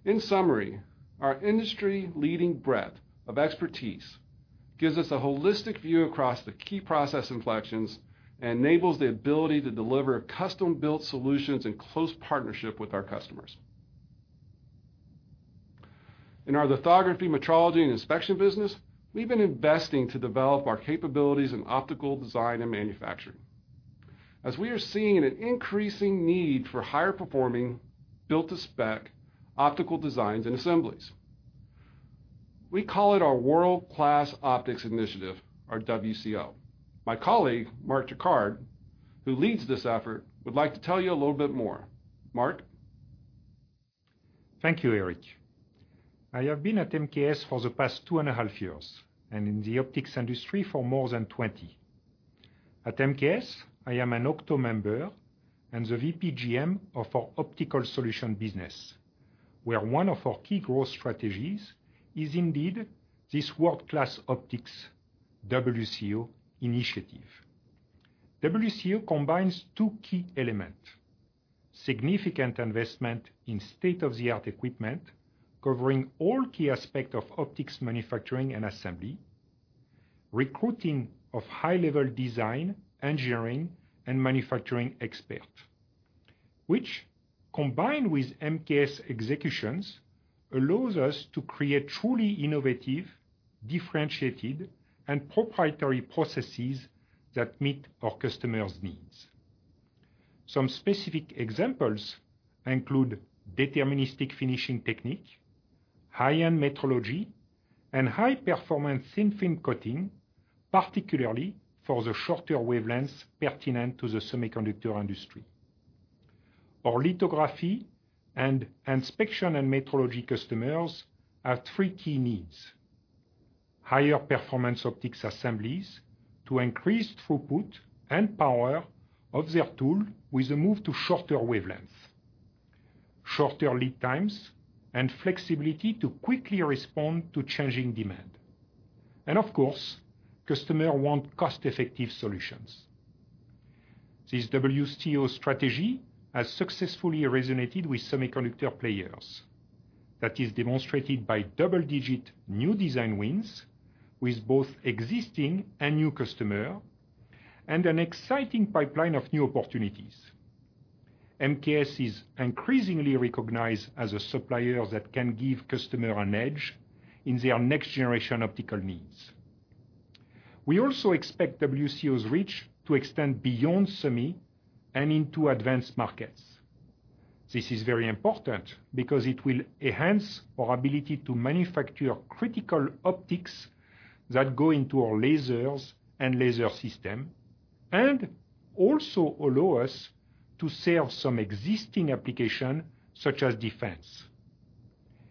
In summary, our industry-leading breadth of expertise gives us a holistic view across the key process inflections and enables the ability to deliver custom-built solutions in close partnership with our customers. In our lithography, metrology, and inspection business, we've been investing to develop our capabilities in optical design and manufacturing, as we are seeing an increasing need for higher performing, built-to-spec optical designs and assemblies. We call it our World-Class Optics initiative, or WCO. My colleague, Marc Tricard, who leads this effort, would like to tell you a little bit more. Marc? Thank you, Eric. I have been at MKS for the past 2.5 years, and in the optics industry for more than 20. At MKS, I am an OCTO member and the VP GM of our Optical Solutions business, where one of our key growth strategies is indeed this World-Class Optics, WCO, initiative. WCO combines two key elements: significant investment in state-of-the-art equipment, covering all key aspects of optics, manufacturing, and assembly, recruiting of high-level design, engineering, and manufacturing expert, which, combined with MKS executions, allows us to create truly innovative, differentiated, and proprietary processes that meet our customers' needs. Some specific examples include deterministic finishing technique, high-end metrology, and high-performance thin film coating, particularly for the shorter wavelengths pertinent to the semiconductor industry. Our lithography and inspection and metrology customers have three key needs: higher performance optics assemblies to increase throughput and power of their tool with a move to shorter wavelengths, shorter lead times, and flexibility to quickly respond to changing demand. Of course, customers want cost-effective solutions. This WCO strategy has successfully resonated with semiconductor players. That is demonstrated by double-digit new design wins, with both existing and new customers, and an exciting pipeline of new opportunities. MKS is increasingly recognized as a supplier that can give customers an edge in their next-generation optical needs. We also expect WCO's reach to extend beyond Semi and into Advanced Markets. This is very important because it will enhance our ability to manufacture critical optics that go into our lasers and laser systems, and also allow us to serve some existing applications, such as defense.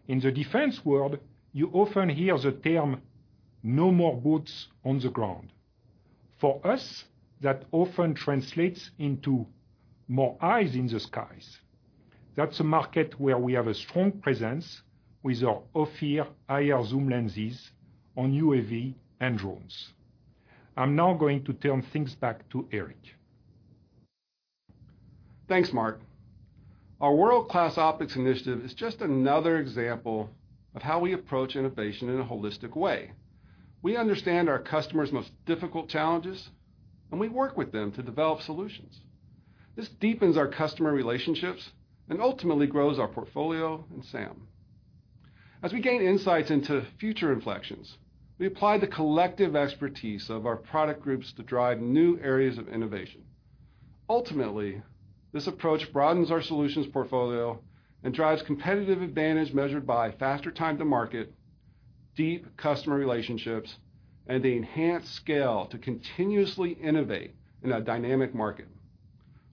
In the defense world, you often hear the term, "No more boots on the ground." For us, that often translates into more eyes in the skies. That's a market where we have a strong presence with our Ophir IR Zoom lenses on UAV and drones. I'm now going to turn things back to Eric. Thanks, Marc. Our world-class optics initiative is just another example of how we approach innovation in a holistic way. We understand our customers' most difficult challenges, and we work with them to develop solutions. This deepens our customer relationships and ultimately grows our portfolio and SAM. As we gain insights into future inflections, we apply the collective expertise of our product groups to drive new areas of innovation. Ultimately, this approach broadens our solutions portfolio and drives competitive advantage measured by faster time to market, deep customer relationships, and the enhanced scale to continuously innovate in a dynamic market.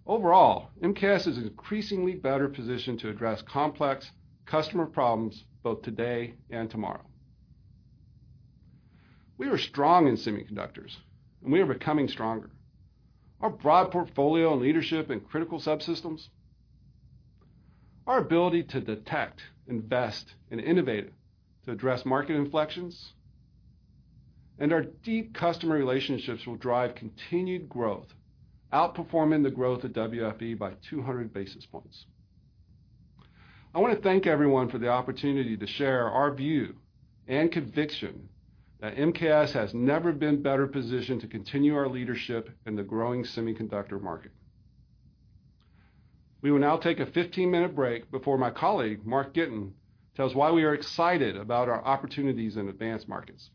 Overall, MKS is increasingly better positioned to address complex customer problems, both today and tomorrow. We are strong in semiconductors, and we are becoming stronger. Our broad portfolio and leadership in critical subsystems, our ability to detect, invest, and innovate to address market inflections, and our deep customer relationships will drive continued growth, outperforming the growth of WFE by 200 basis points. I want to thank everyone for the opportunity to share our view and conviction that MKS has never been better positioned to continue our leadership in the growing semiconductor market. We will now take a 15-minute break before my colleague, Mark Gitin, tells why we are excited about our opportunities in Advanced Markets.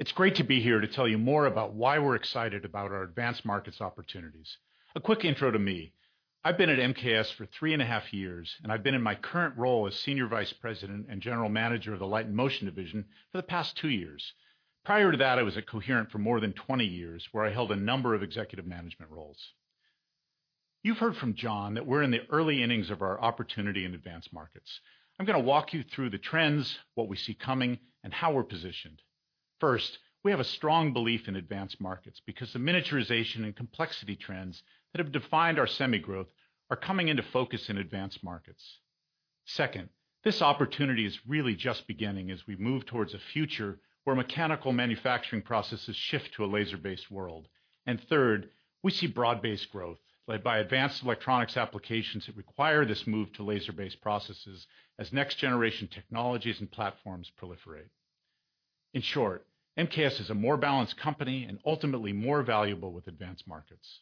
It's great to be here to tell you more about why we're excited about our Advanced Markets opportunities. A quick intro to me. I've been at MKS for 3.5 years, and I've been in my current role as Senior Vice President and General Manager of the Light & Motion Division for the past two years. Prior to that, I was at Coherent for more than 20 years, where I held a number of executive management roles. You've heard from John that we're in the early innings of our opportunity in Advanced Markets. I'm gonna walk you through the trends, what we see coming, and how we're positioned. First, we have a strong belief in Advanced Markets because the miniaturization and complexity trends that have defined our Semi growth are coming into focus in Advanced Markets. Second, this opportunity is really just beginning as we move towards a future where mechanical manufacturing processes shift to a laser-based world. And third, we see broad-based growth led by Advanced Electronics applications that require this move to laser-based processes as next generation technologies and platforms proliferate. In short, MKS is a more balanced company and ultimately more valuable with Advanced Markets.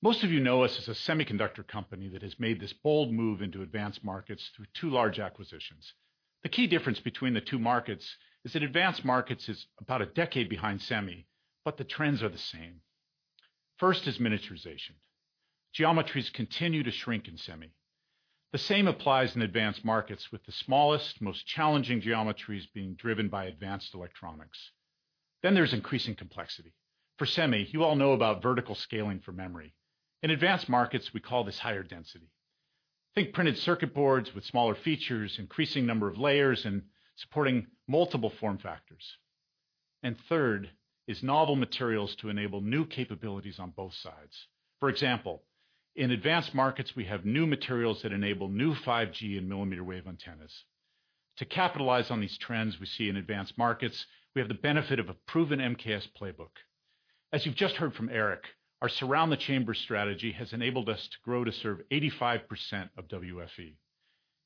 Most of you know us as a semiconductor company that has made this bold move into Advanced Markets through two large acquisitions. The key difference between the two markets is that Advanced Markets is about a decade behind Semi, but the trends are the same. First is miniaturization. Geometries continue to shrink in Semi. The same applies in Advanced Markets, with the smallest, most challenging geometries being driven by Advanced Electronics. Then there's increasing complexity. For Semi, you all know about vertical scaling for memory. In Advanced Markets, we call this higher density. Think printed circuit boards with smaller features, increasing number of layers, and supporting multiple form factors. And third is novel materials to enable new capabilities on both sides. For example, in Advanced Markets, we have new materials that enable new 5G and millimeter wave antennas. To capitalize on these trends we see in Advanced Markets, we have the benefit of a proven MKS playbook. As you've just heard from Eric, our Surround the Chamber strategy has enabled us to grow to serve 85% of WFE.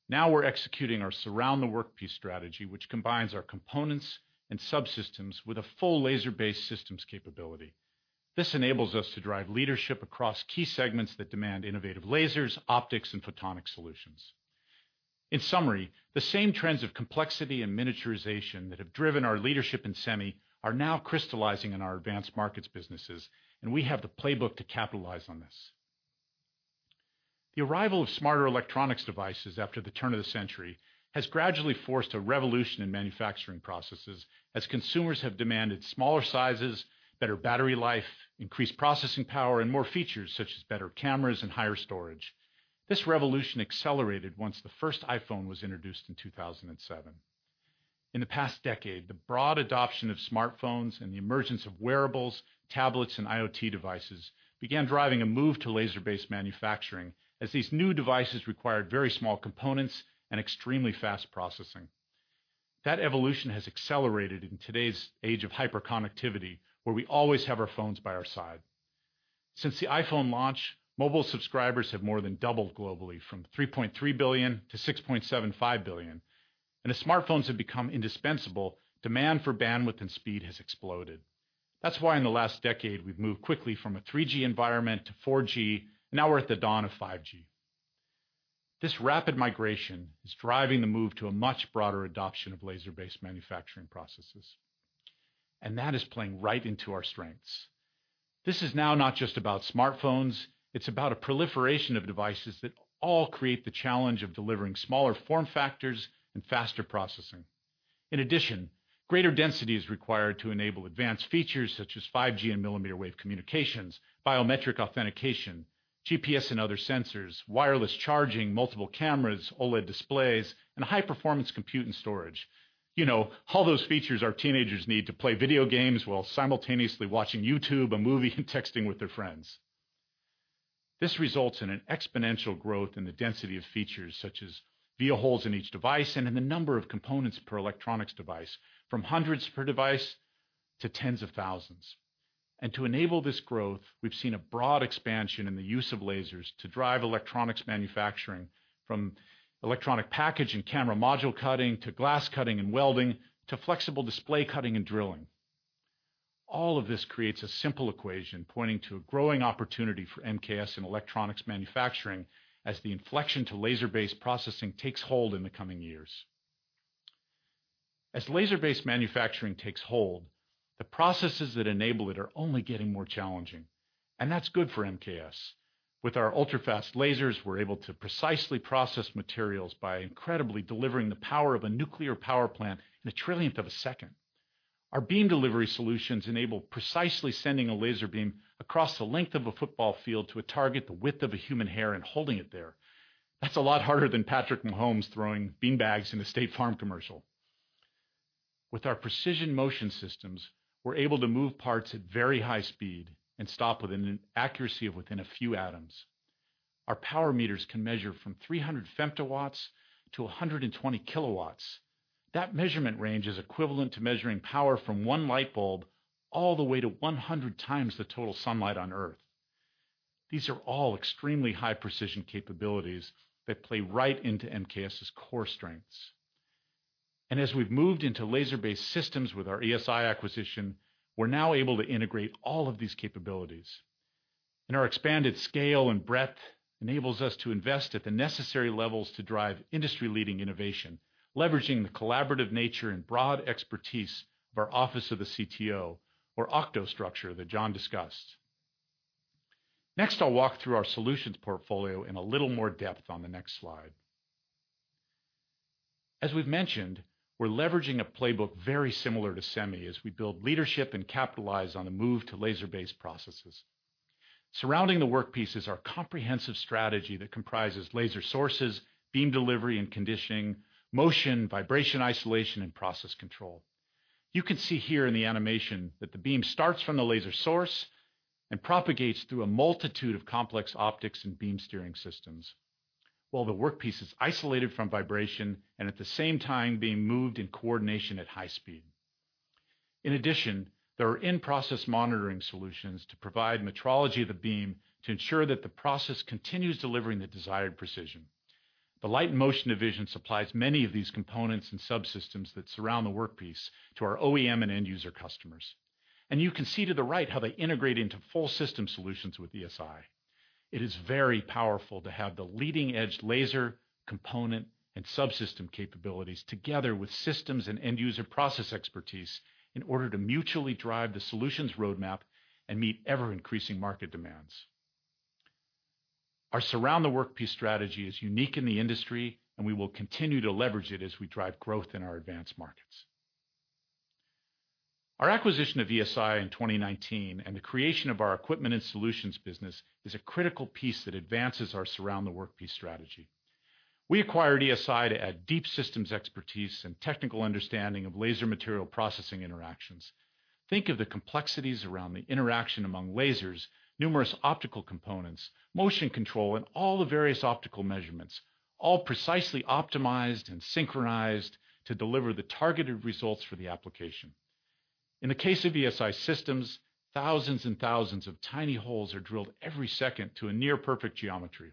Now we're executing our Surround the Workpiece strategy, which combines our components and subsystems with a full laser-based systems capability. This enables us to drive leadership across key segments that demand innovative lasers, optics, and photonic solutions. In summary, the same trends of complexity and miniaturization that have driven our leadership in Semi are now crystallizing in our Advanced Markets businesses, and we have the playbook to capitalize on this. The arrival of smarter electronics devices after the turn of the century has gradually forced a revolution in manufacturing processes as consumers have demanded smaller sizes, better battery life, increased processing power, and more features, such as better cameras and higher storage. This revolution accelerated once the first iPhone was introduced in 2007. In the past decade, the broad adoption of smartphones and the emergence of wearables, tablets, and IoT devices began driving a move to laser-based manufacturing as these new devices required very small components and extremely fast processing. That evolution has accelerated in today's age of hyperconnectivity, where we always have our phones by our side. Since the iPhone launch, mobile subscribers have more than doubled globally from 3.3 billion to 6.75 billion, and as smartphones have become indispensable, demand for bandwidth and speed has exploded. That's why, in the last decade, we've moved quickly from a 3G environment to 4G, and now we're at the dawn of 5G. This rapid migration is driving the move to a much broader adoption of laser-based manufacturing processes, and that is playing right into our strengths. This is now not just about smartphones, it's about a proliferation of devices that all create the challenge of delivering smaller form factors and faster processing. In addition, greater density is required to enable advanced features such as 5G and millimeter wave communications, biometric authentication, GPS and other sensors, wireless charging, multiple cameras, OLED displays, and high-performance compute and storage. You know, all those features our teenagers need to play video games while simultaneously watching YouTube, a movie, and texting with their friends. This results in an exponential growth in the density of features, such as via holes in each device and in the number of components per electronics device, from hundreds per device to tens of thousands. And to enable this growth, we've seen a broad expansion in the use of lasers to drive electronics manufacturing, from electronic package and camera module cutting, to glass cutting and welding, to flexible display cutting and drilling. All of this creates a simple equation, pointing to a growing opportunity for MKS in electronics manufacturing as the inflection to laser-based processing takes hold in the coming years. As laser-based manufacturing takes hold, the processes that enable it are only getting more challenging, and that's good for MKS. With our ultrafast lasers, we're able to precisely process materials by incredibly delivering the power of a nuclear power plant in a trillionth of a second. Our beam delivery solutions enable precisely sending a laser beam across the length of a football field to a target the width of a human hair and holding it there. That's a lot harder than Patrick Mahomes throwing beanbags in the State Farm commercial. With our precision motion systems, we're able to move parts at very high speed and stop within an accuracy of within a few atoms. Our power meters can measure from 300 fW to 120 kW. That measurement range is equivalent to measuring power from one light bulb all the way to 100 times the total sunlight on Earth. These are all extremely high-precision capabilities that play right into MKS's core strengths. And as we've moved into laser-based systems with our ESI acquisition, we're now able to integrate all of these capabilities. And our expanded scale and breadth enables us to invest at the necessary levels to drive industry-leading innovation, leveraging the collaborative nature and broad expertise of our Office of the CTO or OCTO structure that John discussed. Next, I'll walk through our solutions portfolio in a little more depth on the next slide. As we've mentioned, we're leveraging a playbook very similar to Semi as we build leadership and capitalize on the move to laser-based processes. Surround the Workpiece is a comprehensive strategy that comprises laser sources, beam delivery and conditioning, motion, vibration isolation, and process control. You can see here in the animation that the beam starts from the laser source and propagates through a multitude of complex optics and beam steering systems, while the workpiece is isolated from vibration, and at the same time, being moved in coordination at high speed. In addition, there are in-process monitoring solutions to provide metrology of the beam to ensure that the process continues delivering the desired precision. The Light & Motion Division supplies many of these components and subsystems that Surround the Workpiece to our OEM and end-user customers, and you can see to the right how they integrate into full system solutions with ESI. It is very powerful to have the leading-edge laser, component, and subsystem capabilities together with systems and end-user process expertise in order to mutually drive the solutions roadmap and meet ever-increasing market demands. Our Surround the Workpiece strategy is unique in the industry, and we will continue to leverage it as we drive growth in our Advanced Markets. Our acquisition of ESI in 2019, and the creation of our Equipment & Solutions business, is a critical piece that advances our Surround the Workpiece strategy. We acquired ESI to add deep systems expertise and technical understanding of laser material processing interactions. Think of the complexities around the interaction among lasers, numerous optical components, motion control, and all the various optical measurements, all precisely optimized and synchronized to deliver the targeted results for the application. In the case of ESI systems, thousands and thousands of tiny holes are drilled every second to a near-perfect geometry.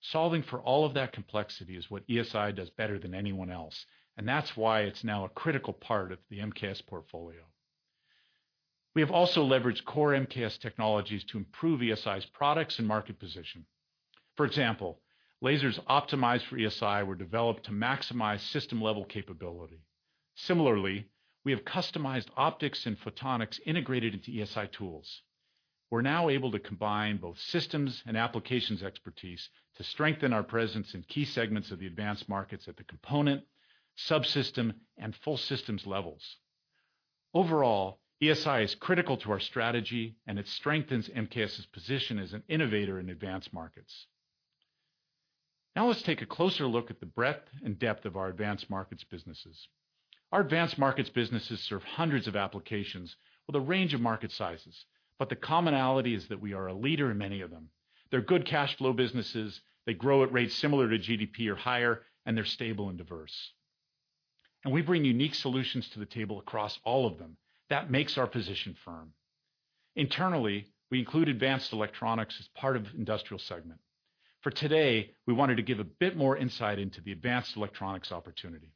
Solving for all of that complexity is what ESI does better than anyone else, and that's why it's now a critical part of the MKS portfolio. We have also leveraged core MKS technologies to improve ESI's products and market position. For example, lasers optimized for ESI were developed to maximize system-level capability. Similarly, we have customized optics and photonics integrated into ESI tools. We're now able to combine both systems and applications expertise to strengthen our presence in key segments of the Advanced Markets at the component, subsystem, and full systems levels. Overall, ESI is critical to our strategy, and it strengthens MKS's position as an innovator in Advanced Markets. Now, let's take a closer look at the breadth and depth of our Advanced Markets businesses. Our Advanced Markets businesses serve hundreds of applications with a range of market sizes, but the commonality is that we are a leader in many of them. They're good cash flow businesses, they grow at rates similar to GDP or higher, and they're stable and diverse. We bring unique solutions to the table across all of them. That makes our position firm. Internally, we include Advanced Electronics as part of the industrial segment. For today, we wanted to give a bit more insight into the Advanced Electronics opportunity.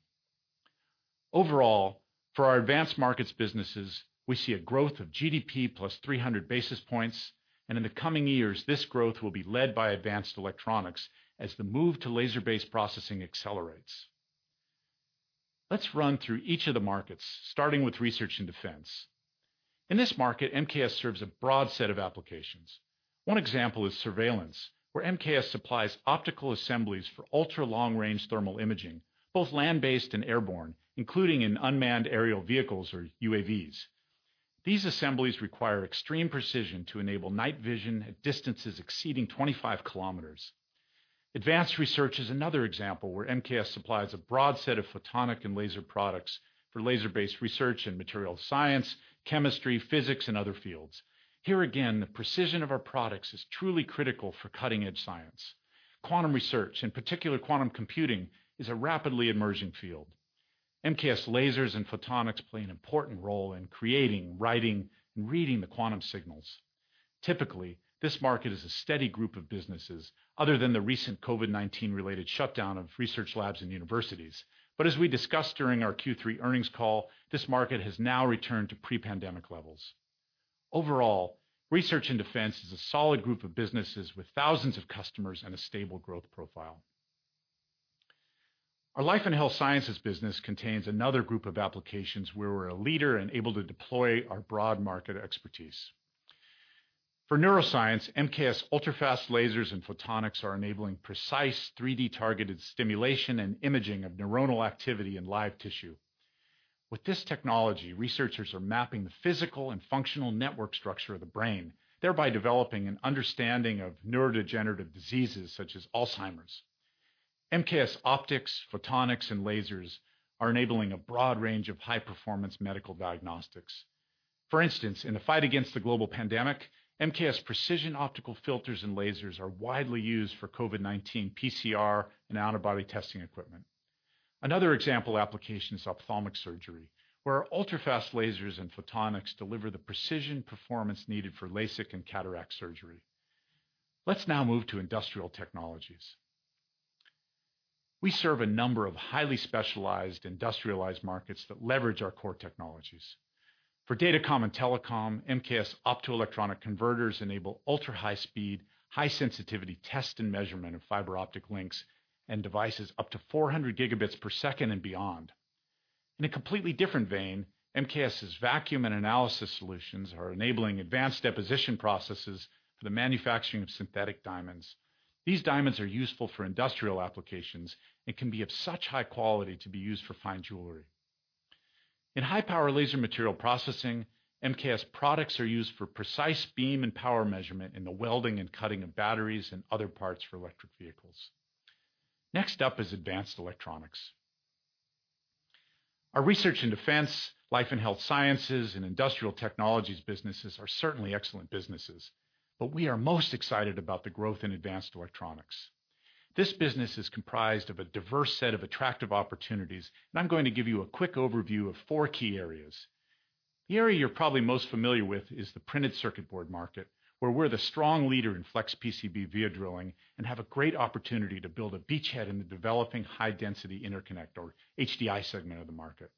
Overall, for our Advanced Markets businesses, we see a growth of GDP +300 basis points, and in the coming years, this growth will be led by Advanced Electronics as the move to laser-based processing accelerates. Let's run through each of the markets, starting with Research & Defense. In this market, MKS serves a broad set of applications. One example is surveillance, where MKS supplies optical assemblies for ultra-long-range thermal imaging, both land-based and airborne, including in unmanned aerial vehicles or UAVs. These assemblies require extreme precision to enable night vision at distances exceeding 25 km. Advanced research is another example where MKS supplies a broad set of photonic and laser products for laser-based research in material science, chemistry, physics, and other fields. Here again, the precision of our products is truly critical for cutting-edge science. Quantum research, in particular, quantum computing, is a rapidly emerging field. MKS lasers and photonics play an important role in creating, writing, and reading the quantum signals. Typically, this market is a steady group of businesses other than the recent COVID-19 related shutdown of research labs and universities. But as we discussed during our Q3 earnings call, this market has now returned to pre-pandemic levels. Overall, Research & Defense is a solid group of businesses with thousands of customers and a stable growth profile. Our Life & Health Sciences business contains another group of applications where we're a leader and able to deploy our broad market expertise. For neuroscience, MKS ultrafast lasers and photonics are enabling precise 3D-targeted stimulation and imaging of neuronal activity in live tissue. With this technology, researchers are mapping the physical and functional network structure of the brain, thereby developing an understanding of neurodegenerative diseases such as Alzheimer's. MKS optics, photonics, and lasers are enabling a broad range of high-performance medical diagnostics. For instance, in the fight against the global pandemic, MKS precision optical filters and lasers are widely used for COVID-19 PCR and antibody testing equipment. Another example application is ophthalmic surgery, where our ultrafast lasers and photonics deliver the precision performance needed for LASIK and cataract surgery. Let's now move to Industrial Technologies. We serve a number of highly specialized industrial markets that leverage our core technologies. For datacom and telecom, MKS optoelectronic converters enable ultra-high speed, high sensitivity, test and measurement of fiber optic links and devices up to 400 Gbps and beyond. In a completely different vein, MKS's Vacuum & Analysis solutions are enabling advanced deposition processes for the manufacturing of synthetic diamonds. These diamonds are useful for industrial applications, and can be of such high quality to be used for fine jewelry. In high power laser material processing, MKS products are used for precise beam and power measurement in the welding and cutting of batteries and other parts for electric vehicles. Next up is Advanced Electronics. Our Research & Defense, Life & Health Sciences, and Industrial Technologies businesses are certainly excellent businesses, but we are most excited about the growth in Advanced Electronics. This business is comprised of a diverse set of attractive opportunities, and I'm going to give you a quick overview of four key areas. The area you're probably most familiar with is the printed circuit board market, where we're the strong leader in flex PCB via drilling, and have a great opportunity to build a beachhead in the developing high density interconnect, or HDI segment of the market.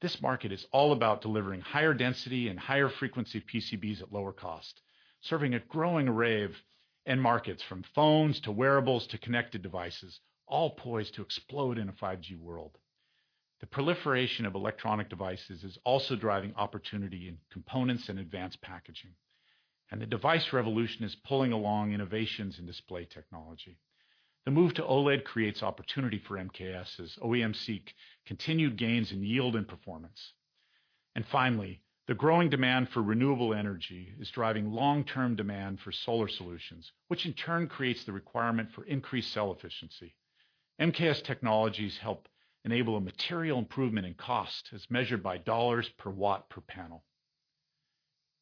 This market is all about delivering higher density and higher frequency PCBs at lower cost, serving a growing array of end markets, from phones to wearables to connected devices, all poised to explode in a 5G world. The proliferation of electronic devices is also driving opportunity in components and advanced packaging, and the device revolution is pulling along innovations in display technology. The move to OLED creates opportunity for MKS as OEMs seek continued gains in yield and performance. And finally, the growing demand for renewable energy is driving long-term demand for solar solutions, which in turn creates the requirement for increased cell efficiency. MKS technologies help enable a material improvement in cost, as measured by dollars per watt per panel.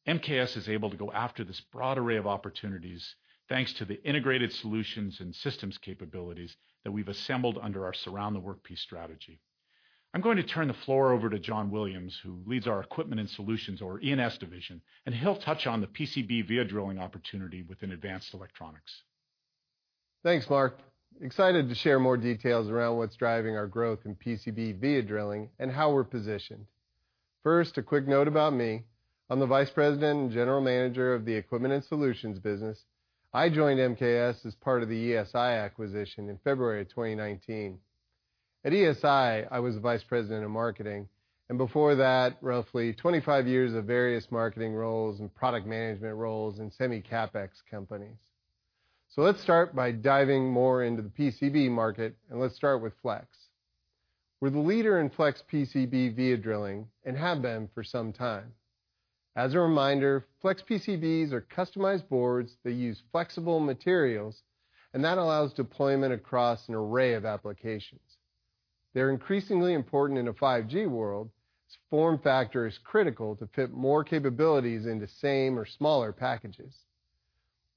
MKS is able to go after this broad array of opportunities, thanks to the integrated solutions and systems capabilities that we've assembled under our Surround the Workpiece strategy. I'm going to turn the floor over to John Williams, who leads our Equipment & Solutions, or E&S Division, and he'll touch on the PCB via drilling opportunity within Advanced Electronics. Thanks, Mark. Excited to share more details around what's driving our growth in PCB via drilling, and how we're positioned. First, a quick note about me. I'm the Vice President and General Manager of the Equipment & Solutions business. I joined MKS as part of the ESI acquisition in February of 2019. At ESI, I was the Vice President of Marketing, and before that, roughly 25 years of various marketing roles and product management roles in Semi CapEx companies. Let's start by diving more into the PCB market, and let's start with flex. We're the leader in flex PCB via drilling, and have been for some time. As a reminder, flex PCBs are customized boards that use flexible materials, and that allows deployment across an array of applications. They're increasingly important in a 5G world, as form factor is critical to fit more capabilities into same or smaller packages.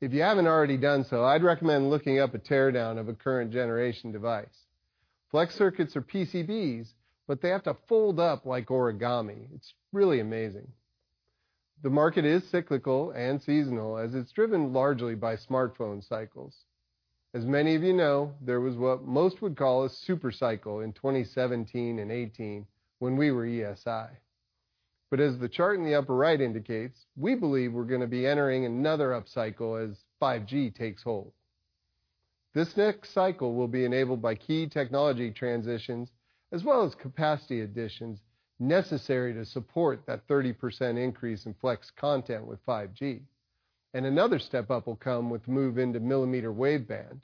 If you haven't already done so, I'd recommend looking up a teardown of a current generation device. Flex circuits are PCBs, but they have to fold up like origami. It's really amazing. The market is cyclical and seasonal, as it's driven largely by smartphone cycles. As many of you know, there was what most would call a super cycle in 2017 and 2018 when we were ESI. But as the chart in the upper right indicates, we believe we're gonna be entering another upcycle as 5G takes hold. This next cycle will be enabled by key technology transitions, as well as capacity additions necessary to support that 30% increase in flex content with 5G. And another step up will come with the move into millimeter-wave band.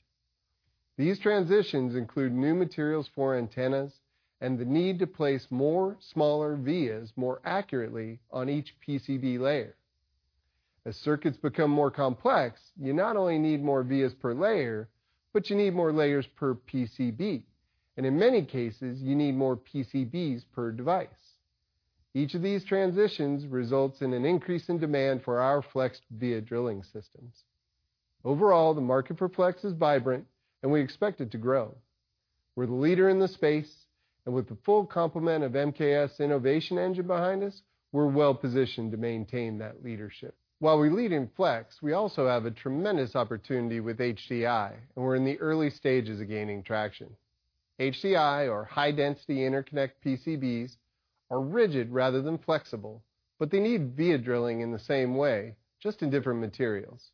These transitions include new materials for antennas, and the need to place more smaller vias more accurately on each PCB layer. As circuits become more complex, you not only need more vias per layer, but you need more layers per PCB, and in many cases, you need more PCBs per device. Each of these transitions results in an increase in demand for our flex via drilling systems. Overall, the market for flex is vibrant, and we expect it to grow. We're the leader in the space, and with the full complement of MKS innovation engine behind us, we're well positioned to maintain that leadership. While we lead in flex, we also have a tremendous opportunity with HDI, and we're in the early stages of gaining traction. HDI, or high density interconnect PCBs, are rigid rather than flexible, but they need via drilling in the same way, just in different materials.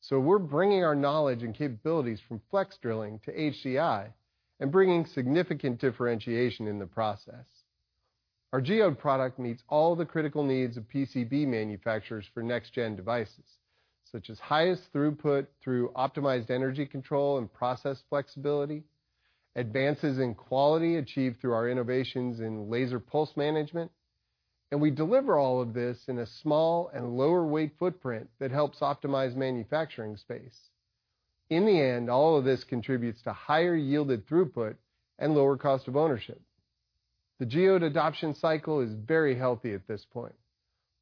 So we're bringing our knowledge and capabilities from flex drilling to HDI, and bringing significant differentiation in the process. Our Geode product meets all the critical needs of PCB manufacturers for next gen devices, such as highest throughput through optimized energy control and process flexibility, advances in quality achieved through our innovations in laser pulse management, and we deliver all of this in a small and lower weight footprint that helps optimize manufacturing space. In the end, all of this contributes to higher yielded throughput and lower cost of ownership. The Geode adoption cycle is very healthy at this point.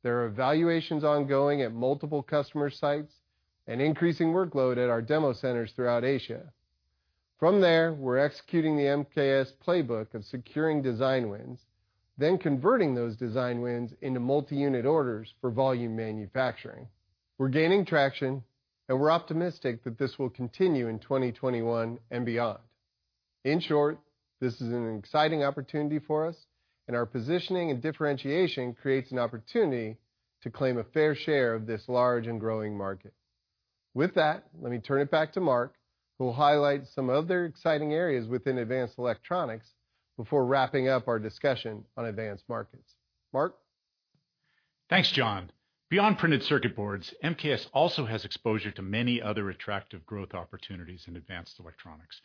There are evaluations ongoing at multiple customer sites and increasing workload at our demo centers throughout Asia. From there, we're executing the MKS playbook of securing design wins, then converting those design wins into multi-unit orders for volume manufacturing. We're gaining traction, and we're optimistic that this will continue in 2021 and beyond. In short, this is an exciting opportunity for us, and our positioning and differentiation creates an opportunity to claim a fair share of this large and growing market. With that, let me turn it back to Mark, who will highlight some other exciting areas within Advanced Electronics before wrapping up our discussion on Advanced Markets. Mark? Thanks, John. Beyond printed circuit boards, MKS also has exposure to many other attractive growth opportunities in Advanced Electronics.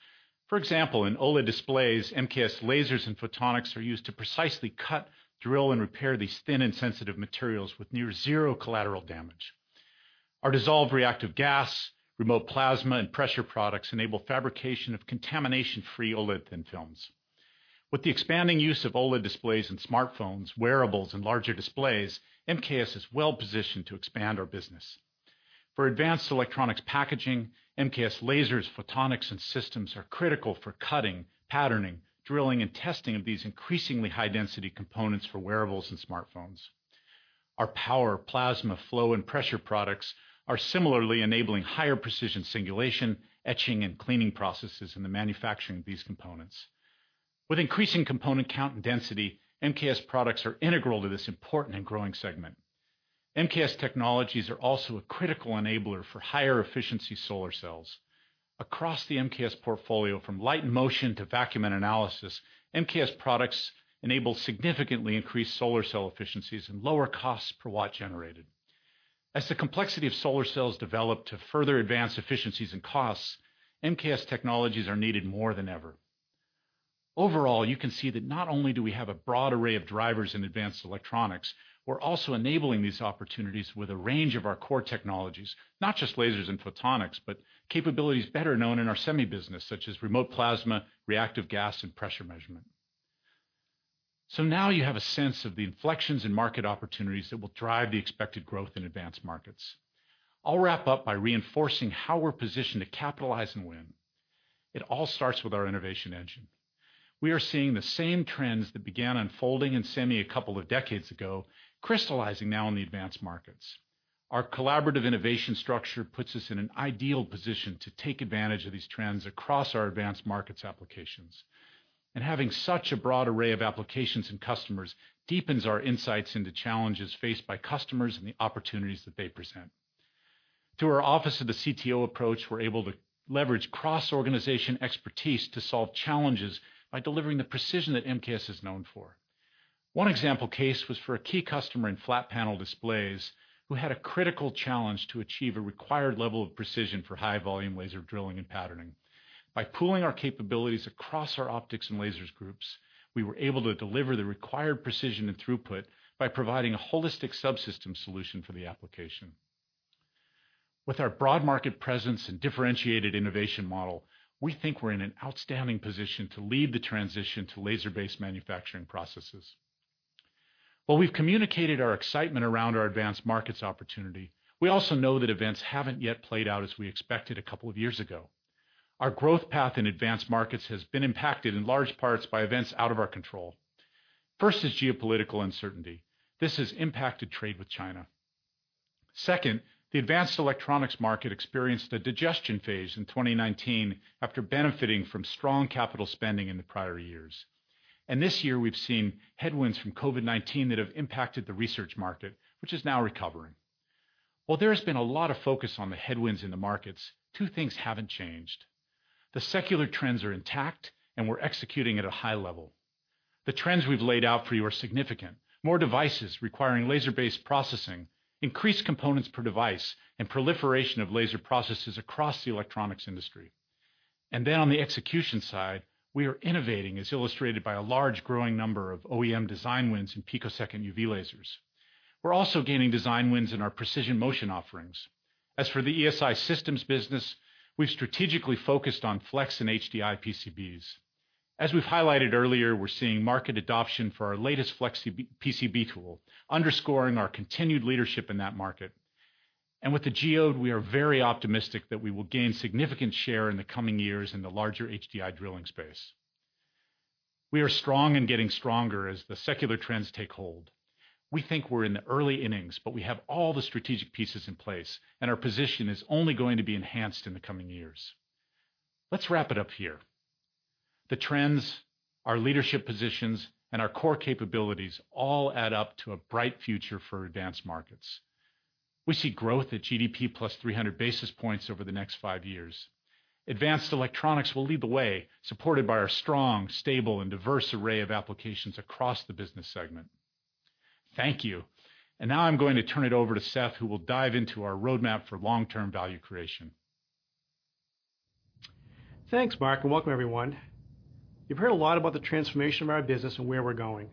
For example, in OLED displays, MKS lasers and photonics are used to precisely cut, drill, and repair these thin and sensitive materials with near zero collateral damage. Our dissolved reactive gas, remote plasma, and pressure products enable fabrication of contamination-free OLED thin films. With the expanding use of OLED displays in smartphones, wearables, and larger displays, MKS is well-positioned to expand our business. For Advanced Electronics packaging, MKS lasers, photonics, and systems are critical for cutting, patterning, drilling, and testing of these increasingly high-density components for wearables and smartphones. Our power, plasma, flow, and pressure products are similarly enabling higher precision singulation, etching, and cleaning processes in the manufacturing of these components. With increasing component count and density, MKS products are integral to this important and growing segment. MKS technologies are also a critical enabler for higher efficiency solar cells. Across the MKS portfolio, from Light & Motion to Vacuum & Analysis, MKS products enable significantly increased solar cell efficiencies and lower costs per watt generated. As the complexity of solar cells develop to further advance efficiencies and costs, MKS technologies are needed more than ever. Overall, you can see that not only do we have a broad array of drivers in Advanced Electronics, we're also enabling these opportunities with a range of our core technologies, not just lasers and photonics, but capabilities better known in our Semi business, such as remote plasma, reactive gas, and pressure measurement. So now you have a sense of the inflections in market opportunities that will drive the expected growth in Advanced Markets. I'll wrap up by reinforcing how we're positioned to capitalize and win. It all starts with our innovation engine. We are seeing the same trends that began unfolding in Semi a couple of decades ago, crystallizing now in the Advanced Markets. Our collaborative innovation structure puts us in an ideal position to take advantage of these trends across our Advanced Markets applications. Having such a broad array of applications and customers deepens our insights into challenges faced by customers and the opportunities that they present. Through our Office of the CTO approach, we're able to leverage cross-organization expertise to solve challenges by delivering the precision that MKS is known for. One example case was for a key customer in flat panel displays, who had a critical challenge to achieve a required level of precision for high-volume laser drilling and patterning. By pooling our capabilities across our optics and lasers groups, we were able to deliver the required precision and throughput by providing a holistic subsystem solution for the application. With our broad market presence and differentiated innovation model, we think we're in an outstanding position to lead the transition to laser-based manufacturing processes. While we've communicated our excitement around our Advanced Markets opportunity, we also know that events haven't yet played out as we expected a couple of years ago. Our growth path in Advanced Markets has been impacted in large parts by events out of our control. First is geopolitical uncertainty. This has impacted trade with China. Second, the Advanced Electronics market experienced a digestion phase in 2019 after benefiting from strong capital spending in the prior years. This year, we've seen headwinds from COVID-19 that have impacted the research market, which is now recovering. While there has been a lot of focus on the headwinds in the markets, two things haven't changed: the secular trends are intact, and we're executing at a high level. The trends we've laid out for you are significant. More devices requiring laser-based processing, increased components per device, and proliferation of laser processes across the electronics industry. And then on the execution side, we are innovating, as illustrated by a large, growing number of OEM design wins in picosecond UV lasers. We're also gaining design wins in our precision motion offerings. As for the ESI Systems business, we've strategically focused on flex and HDI PCBs. As we've highlighted earlier, we're seeing market adoption for our latest flex PCB tool, underscoring our continued leadership in that market. And with the Geode, we are very optimistic that we will gain significant share in the coming years in the larger HDI drilling space. We are strong and getting stronger as the secular trends take hold. We think we're in the early innings, but we have all the strategic pieces in place, and our position is only going to be enhanced in the coming years. Let's wrap it up here. The trends, our leadership positions, and our core capabilities all add up to a bright future for Advanced Markets. We see growth at GDP +300 basis points over the next five years. Advanced electronics will lead the way, supported by our strong, stable, and diverse array of applications across the business segment. Thank you. And now I'm going to turn it over to Seth, who will dive into our roadmap for long-term value creation. Thanks, Mark, and welcome, everyone. You've heard a lot about the transformation of our business and where we're going.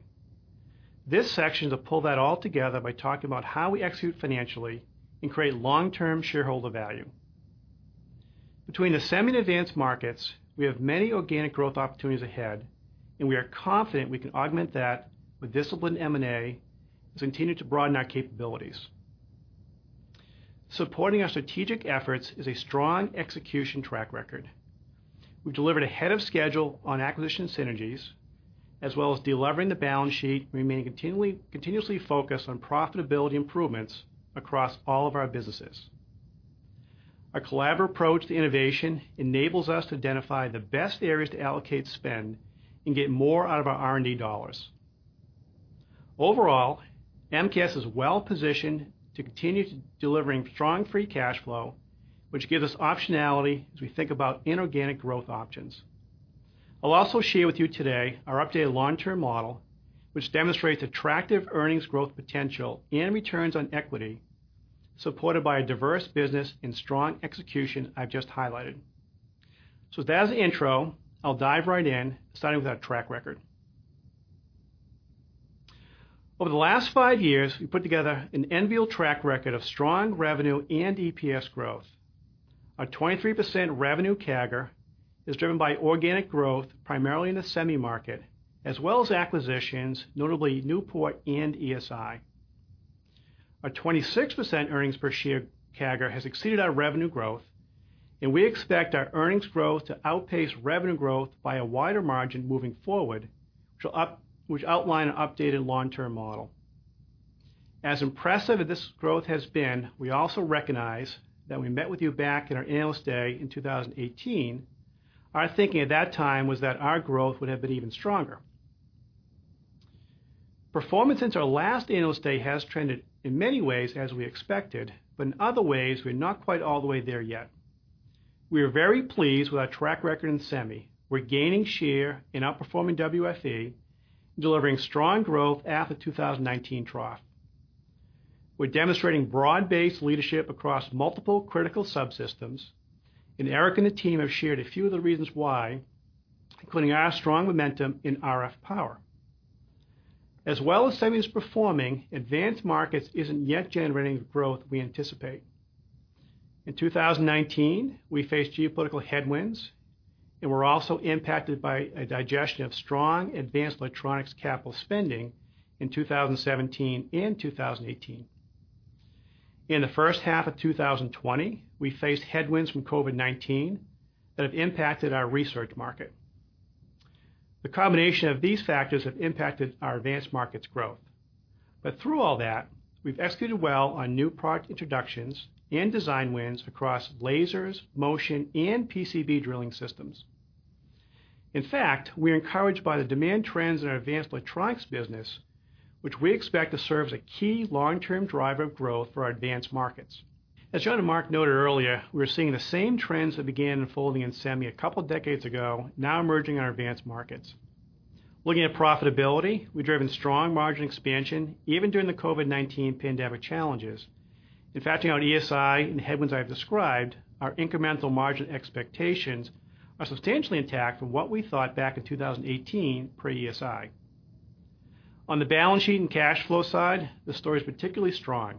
This section is to pull that all together by talking about how we execute financially and create long-term shareholder value. Between the Semi and Advanced Markets, we have many organic growth opportunities ahead, and we are confident we can augment that with disciplined M&A and continue to broaden our capabilities. Supporting our strategic efforts is a strong execution track record. We've delivered ahead of schedule on acquisition synergies, as well as delevering the balance sheet, remaining continuously focused on profitability improvements across all of our businesses. Our collaborative approach to innovation enables us to identify the best areas to allocate spend and get more out of our R&D dollars. Overall, MKS is well positioned to continue delivering strong free cash flow, which gives us optionality as we think about inorganic growth options. I'll also share with you today our updated long-term model, which demonstrates attractive earnings growth potential and returns on equity, supported by a diverse business and strong execution I've just highlighted. So with that as the intro, I'll dive right in, starting with our track record. Over the last five years, we've put together an enviable track record of strong revenue and EPS growth. Our 23% revenue CAGR is driven by organic growth, primarily in the Semi market, as well as acquisitions, notably Newport and ESI. Our 26% earnings per share CAGR has exceeded our revenue growth, and we expect our earnings growth to outpace revenue growth by a wider margin moving forward, which I'll outline an updated long-term model. As impressive as this growth has been, we also recognize that we met with you back in our Analyst Day in 2018. Our thinking at that time was that our growth would have been even stronger. Performance since our last Analyst Day has trended in many ways as we expected, but in other ways, we're not quite all the way there yet. We are very pleased with our track record in Semi. We're gaining share in outperforming WFE, delivering strong growth after the 2019 trough. We're demonstrating broad-based leadership across multiple critical subsystems, and Eric and the team have shared a few of the reasons why, including our strong momentum in RF power. As well as Semi is performing, Advanced Markets isn't yet generating the growth we anticipate. In 2019, we faced geopolitical headwinds, and we're also impacted by a digestion of strong Advanced Electronics capital spending in 2017 and 2018. In the first half of 2020, we faced headwinds from COVID-19 that have impacted our research market. The combination of these factors have impacted our Advanced Markets growth. But through all that, we've executed well on new product introductions and design wins across lasers, motion, and PCB drilling systems. In fact, we're encouraged by the demand trends in our Advanced Electronics business, which we expect to serve as a key long-term driver of growth for our Advanced Markets. As John and Mark noted earlier, we're seeing the same trends that began unfolding in Semi a couple of decades ago, now emerging in our Advanced Markets. Looking at profitability, we've driven strong margin expansion, even during the COVID-19 pandemic challenges. In fact, on ESI and the headwinds I've described, our incremental margin expectations are substantially intact from what we thought back in 2018 per ESI. On the balance sheet and cash flow side, the story is particularly strong.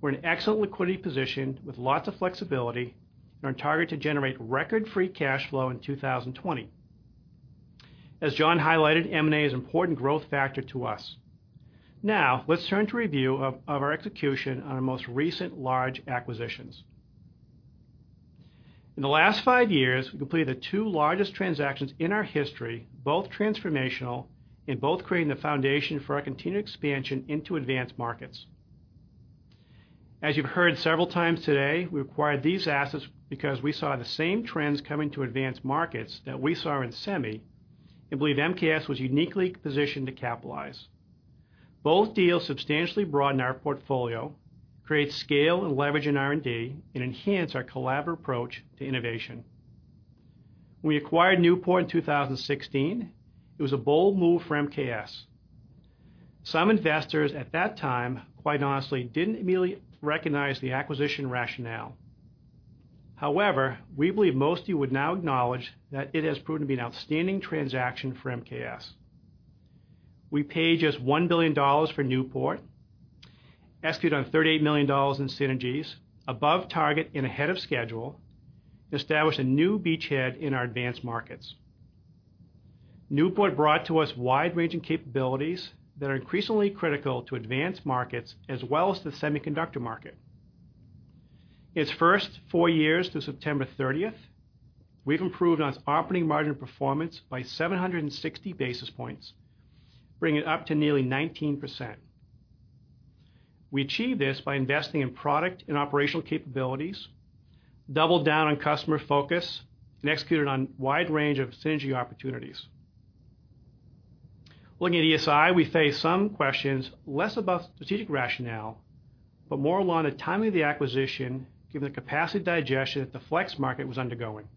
We're in excellent liquidity position with lots of flexibility and are targeted to generate record-free cash flow in 2020. As John highlighted, M&A is an important growth factor to us. Now, let's turn to review of our execution on our most recent large acquisitions. In the last five years, we completed the two largest transactions in our history, both transformational and both creating the foundation for our continued expansion into Advanced Markets. As you've heard several times today, we acquired these assets because we saw the same trends coming to Advanced Markets that we saw in Semi and believe MKS was uniquely positioned to capitalize. Both deals substantially broaden our portfolio, create scale and leverage in R&D, and enhance our collaborative approach to innovation. When we acquired Newport in 2016, it was a bold move for MKS. Some investors at that time, quite honestly, didn't immediately recognize the acquisition rationale. However, we believe most of you would now acknowledge that it has proven to be an outstanding transaction for MKS. We paid just $1 billion for Newport, executed on $38 million in synergies above target and ahead of schedule, established a new beachhead in our Advanced Markets. Newport brought to us wide-ranging capabilities that are increasingly critical to Advanced Markets, as well as the semiconductor market. Its first four years to September 30th, we've improved on its operating margin performance by 760 basis points, bringing it up to nearly 19%. We achieved this by investing in product and operational capabilities, doubled down on customer focus, and executed on a wide range of synergy opportunities. Looking at ESI, we face some questions, less about strategic rationale, but more along the timing of the acquisition, given the capacity digestion that the flex market was undergoing.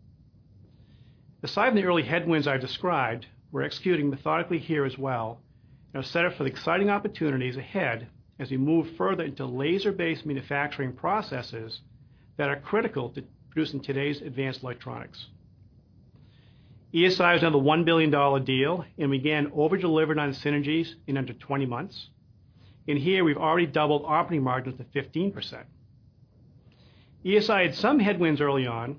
Besides the early headwinds I've described, we're executing methodically here as well, and are set up for the exciting opportunities ahead as we move further into laser-based manufacturing processes that are critical to producing today's Advanced Electronics. ESI is another $1 billion deal, and we again over-delivered on the synergies in under 20 months. And here, we've already doubled operating margins to 15%. ESI had some headwinds early on,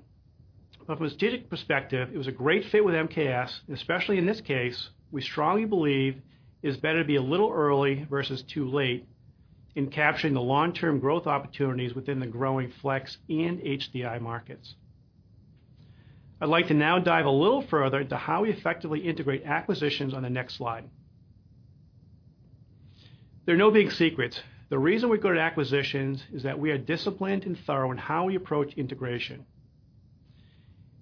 but from a strategic perspective, it was a great fit with MKS. Especially in this case, we strongly believe it's better to be a little early versus too late in capturing the long-term growth opportunities within the growing flex and HDI markets. I'd like to now dive a little further into how we effectively integrate acquisitions on the next slide. There are no big secrets. The reason we go to acquisitions is that we are disciplined and thorough in how we approach integration.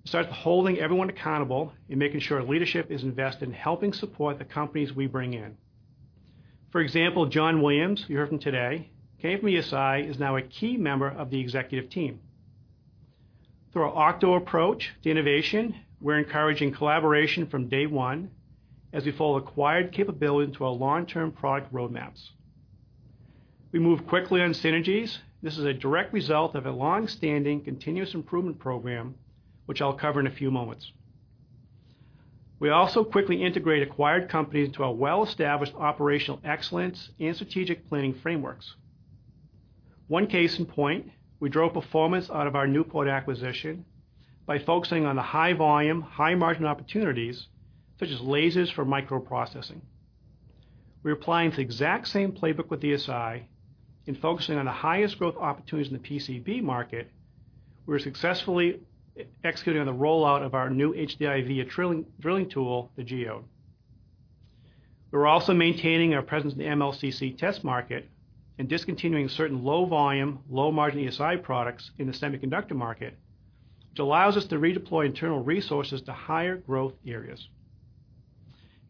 We start with holding everyone accountable and making sure leadership is invested in helping support the companies we bring in. For example, John Williams, who you heard from today, came from ESI, is now a key member of the executive team. Through our outward approach to innovation, we're encouraging collaboration from day one as we follow acquired capability into our long-term product roadmaps. We move quickly on synergies. This is a direct result of a long-standing continuous improvement program, which I'll cover in a few moments. We also quickly integrate acquired companies into our well-established operational excellence and strategic planning frameworks. One case in point, we drove performance out of our Newport acquisition by focusing on the high volume, high-margin opportunities, such as lasers for microprocessing. We're applying the exact same playbook with ESI and focusing on the highest growth opportunities in the PCB market. We're successfully executing on the rollout of our new HDI drilling tool, the Geode. We're also maintaining our presence in the MLCC test market and discontinuing certain low volume, low-margin ESI products in the semiconductor market, which allows us to redeploy internal resources to higher growth areas.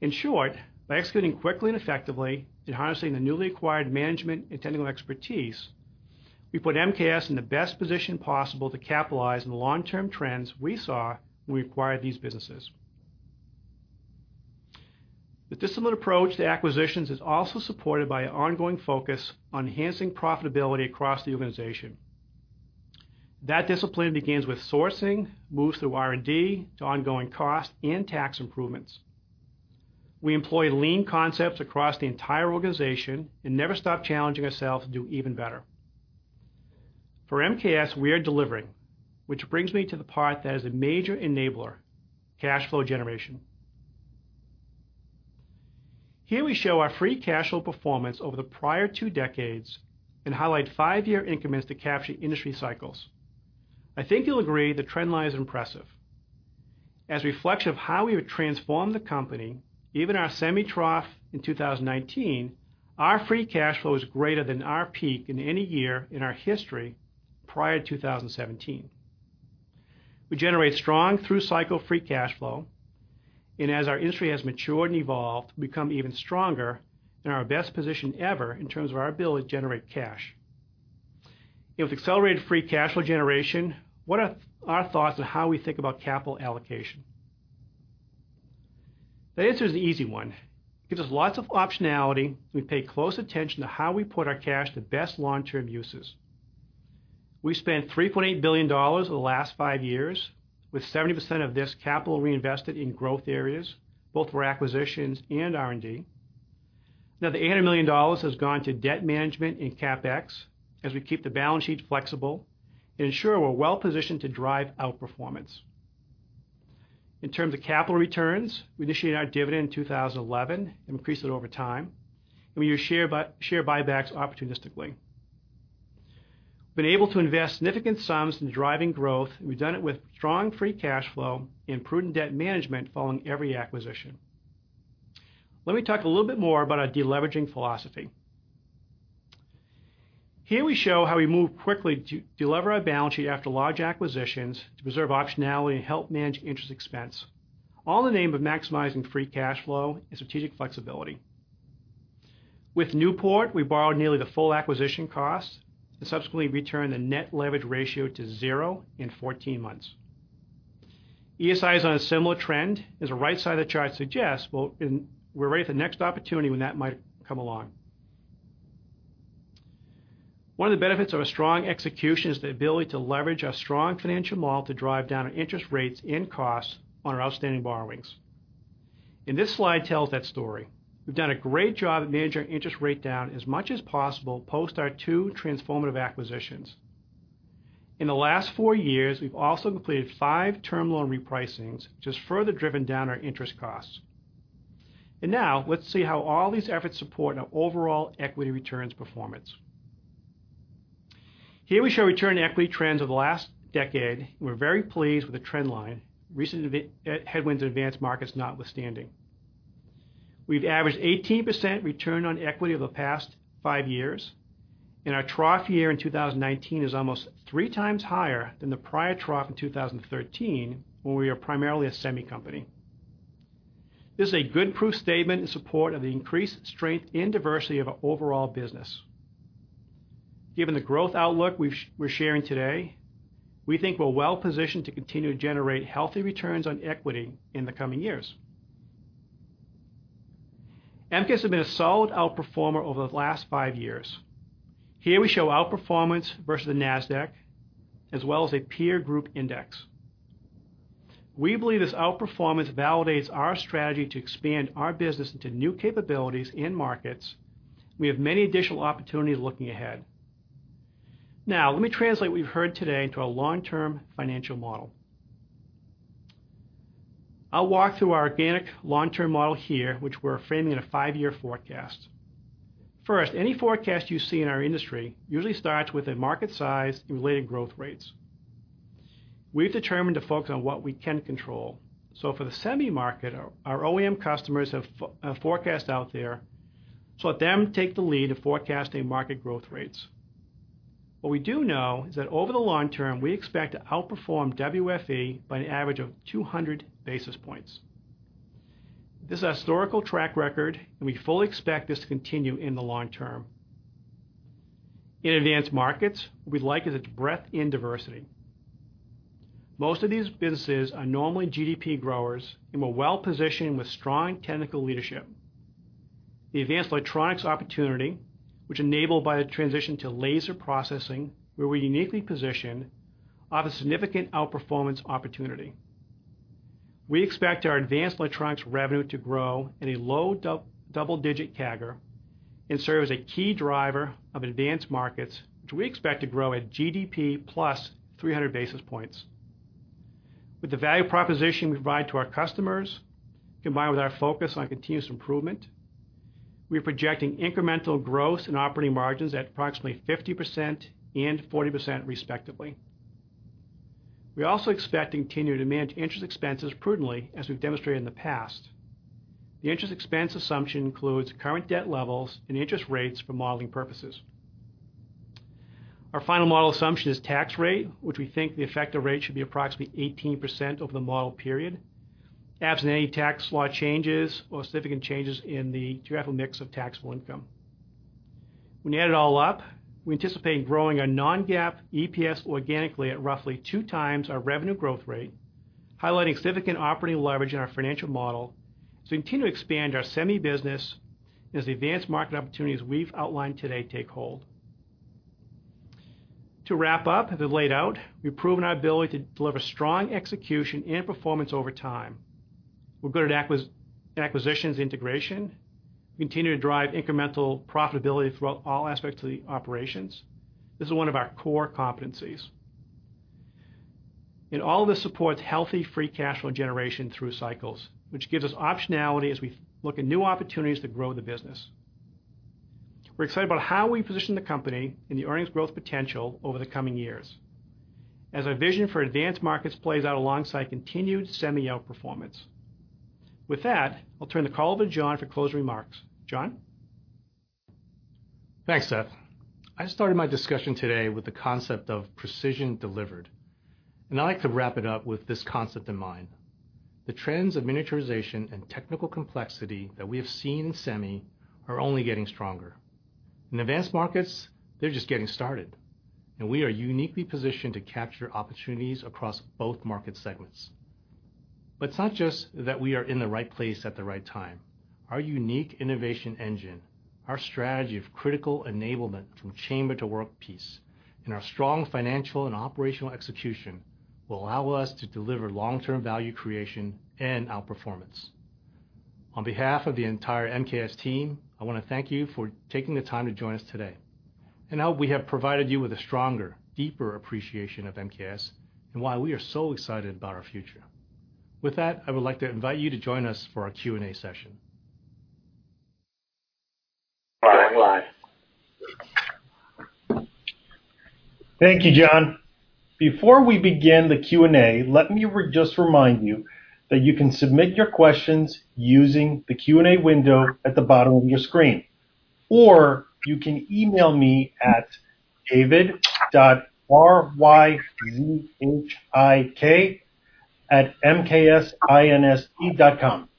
In short, by executing quickly and effectively and harnessing the newly acquired management and technical expertise, we put MKS in the best position possible to capitalize on the long-term trends we saw when we acquired these businesses. The disciplined approach to acquisitions is also supported by an ongoing focus on enhancing profitability across the organization. That discipline begins with sourcing, moves through R&D to ongoing cost and tax improvements. We employ lean concepts across the entire organization and never stop challenging ourselves to do even better. For MKS, we are delivering, which brings me to the part that is a major enabler, cash flow generation. Here we show our free cash flow performance over the prior two decades and highlight five-year increments to capture industry cycles. I think you'll agree the trend line is impressive. As a reflection of how we would transform the company, even our Semi trough in 2019, our free cash flow is greater than our peak in any year in our history prior to 2017. We generate strong through-cycle free cash flow, and as our industry has matured and evolved, become even stronger and our best position ever in terms of our ability to generate cash. With accelerated free cash flow generation, what are our thoughts on how we think about capital allocation? The answer is an easy one. It gives us lots of optionality, and we pay close attention to how we put our cash to best long-term uses. We spent $3.8 billion over the last five years, with 70% of this capital reinvested in growth areas, both for acquisitions and R&D. Now, the $800 million has gone to debt management and CapEx as we keep the balance sheet flexible and ensure we're well positioned to drive outperformance. In terms of capital returns, we initiated our dividend in 2011 and increased it over time, and we use share buybacks opportunistically. We've been able to invest significant sums in driving growth, and we've done it with strong free cash flow and prudent debt management following every acquisition. Let me talk a little bit more about our deleveraging philosophy. Here we show how we moved quickly to delever our balance sheet after large acquisitions, to preserve optionality and help manage interest expense, all in the name of maximizing free cash flow and strategic flexibility. With Newport, we borrowed nearly the full acquisition cost and subsequently returned the net leverage ratio to zero in 14 months. ESI is on a similar trend. As the right side of the chart suggests. Well, and we're ready for the next opportunity when that might come along. One of the benefits of a strong execution is the ability to leverage our strong financial model to drive down our interest rates and costs on our outstanding borrowings. This slide tells that story. We've done a great job at managing our interest rate down as much as possible post our two transformative acquisitions. In the last four years, we've also completed five term loan repricings, which has further driven down our interest costs. Now let's see how all these efforts support our overall equity returns performance. Here we show return on equity trends over the last decade, and we're very pleased with the trend line, recent headwinds in Advanced Markets notwithstanding. We've averaged 18% return on equity over the past five years, and our trough year in 2019 is almost three times higher than the prior trough in 2013, when we were primarily a Semi company. This is a good proof statement in support of the increased strength and diversity of our overall business. Given the growth outlook we're sharing today, we think we're well positioned to continue to generate healthy returns on equity in the coming years. MKS has been a solid outperformer over the last five years. Here we show outperformance versus the Nasdaq, as well as a peer group index. We believe this outperformance validates our strategy to expand our business into new capabilities and markets. We have many additional opportunities looking ahead. Now, let me translate what we've heard today into our long-term financial model. I'll walk through our organic long-term model here, which we're framing in a five years forecast. First, any forecast you see in our industry usually starts with a market size and related growth rates. We've determined to focus on what we can control. So for the Semi market, our OEM customers have forecasts out there, so let them take the lead in forecasting market growth rates. What we do know is that over the long term, we expect to outperform WFE by an average of 200 basis points. This is a historical track record, and we fully expect this to continue in the long term. In Advanced Markets, we like its breadth and diversity. Most of these businesses are normally GDP growers, and we're well-positioned with strong technical leadership. The Advanced Electronics opportunity, which enabled by the transition to laser processing, where we're uniquely positioned, offer significant outperformance opportunity. We expect our Advanced Electronics revenue to grow at a low double-digit CAGR and serve as a key driver of Advanced Markets, which we expect to grow at GDP +300 basis points. With the value proposition we provide to our customers, combined with our focus on continuous improvement, we are projecting incremental growth in operating margins at approximately 50% and 40%, respectively. We also expect to continue to manage interest expenses prudently, as we've demonstrated in the past. The interest expense assumption includes current debt levels and interest rates for modeling purposes. Our final model assumption is tax rate, which we think the effective rate should be approximately 18% over the model period, absent any tax law changes or significant changes in the geographical mix of taxable income. When you add it all up, we anticipate growing our non-GAAP EPS organically at roughly two times our revenue growth rate, highlighting significant operating leverage in our financial model to continue to expand our Semi business as the advanced market opportunities we've outlined today take hold. To wrap up, as we've laid out, we've proven our ability to deliver strong execution and performance over time. We're good at acquisitions integration. We continue to drive incremental profitability throughout all aspects of the operations. This is one of our core competencies. All of this supports healthy free cash flow generation through cycles, which gives us optionality as we look at new opportunities to grow the business. We're excited about how we position the company and the earnings growth potential over the coming years, as our vision for Advanced Markets plays out alongside continued Semi outperformance. With that, I'll turn the call over to John for closing remarks. John? Thanks, Seth. I started my discussion today with the concept of precision delivered, and I'd like to wrap it up with this concept in mind. The trends of miniaturization and technical complexity that we have seen in Semi are only getting stronger. In Advanced Markets, they're just getting started, and we are uniquely positioned to capture opportunities across both market segments. But it's not just that we are in the right place at the right time. Our unique innovation engine, our strategy of critical enablement from chamber to workpiece, and our strong financial and operational execution will allow us to deliver long-term value creation and outperformance. On behalf of the entire MKS team, I want to thank you for taking the time to join us today, and I hope we have provided you with a stronger, deeper appreciation of MKS and why we are so excited about our future. With that, I would like to invite you to join us for our Q&A session. Thank you, John. Before we begin the Q&A, let me just remind you that you can submit your questions using the Q&A window at the bottom of your screen, or you can email me at david.ryzhik@mksinst.com.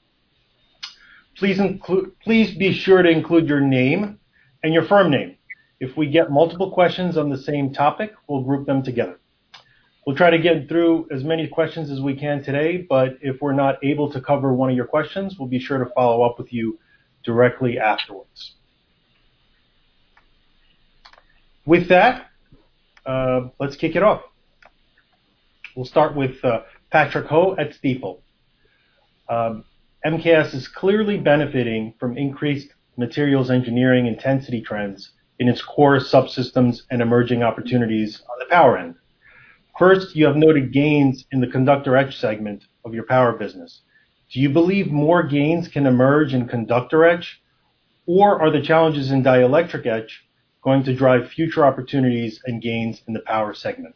Please be sure to include your name and your firm name. If we get multiple questions on the same topic, we'll group them together. We'll try to get through as many questions as we can today, but if we're not able to cover one of your questions, we'll be sure to follow up with you directly afterwards. With that, let's kick it off. We'll start with Patrick Ho at Stifel. MKS is clearly benefiting from increased materials engineering intensity trends in its core subsystems and emerging opportunities on the power end. First, you have noted gains in the conductor etch segment of your power business. Do you believe more gains can emerge in conductor etch, or are the challenges in dielectric etch going to drive future opportunities and gains in the power segment?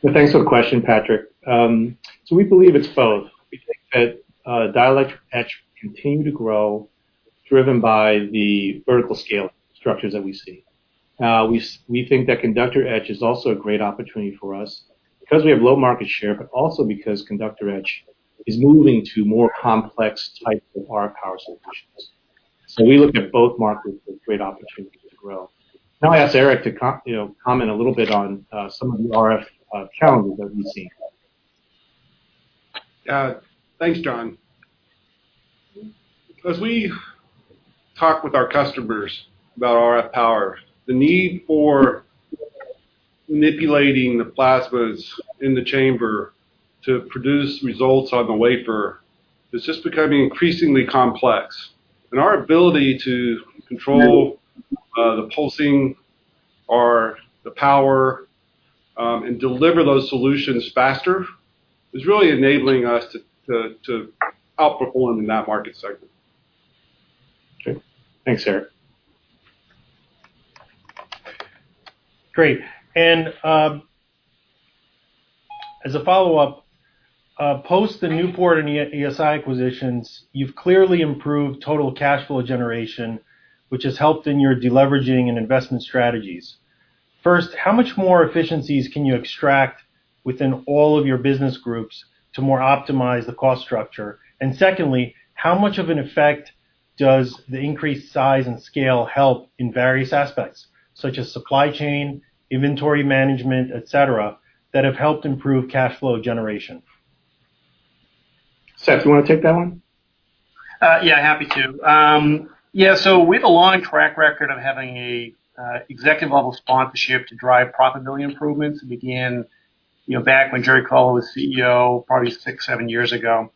Well, thanks for the question, Patrick. So we believe it's both. We think that dielectric etch will continue to grow, driven by the vertical scale structures that we see. We think that conductor etch is also a great opportunity for us because we have low market share, but also because conductor etch is moving to more complex types of RF power solutions. So we look at both markets as great opportunities to grow. Now I'll ask Eric to, you know, comment a little bit on some of the RF challenges that we've seen. Thanks, John. As we talk with our customers about RF power, the need for manipulating the plasmas in the chamber to produce results on the wafer is just becoming increasingly complex. And our ability to control the pulsing or the power and deliver those solutions faster is really enabling us to outperform in that market segment. Okay. Thanks, Eric. Great, and, as a follow-up, post the Newport and ESI acquisitions, you've clearly improved total cash flow generation, which has helped in your deleveraging and investment strategies. First, how much more efficiencies can you extract within all of your business groups to more optimize the cost structure? And secondly, how much of an effect does the increased size and scale help in various aspects, such as supply chain, inventory management, et cetera, that have helped improve cash flow generation? Seth, you wanna take that one? Yeah, happy to. Yeah, so we have a long track record of having a executive-level sponsorship to drive profitability improvements. It began, you know, back when Jerry Colella was CEO, probably six, seven years ago,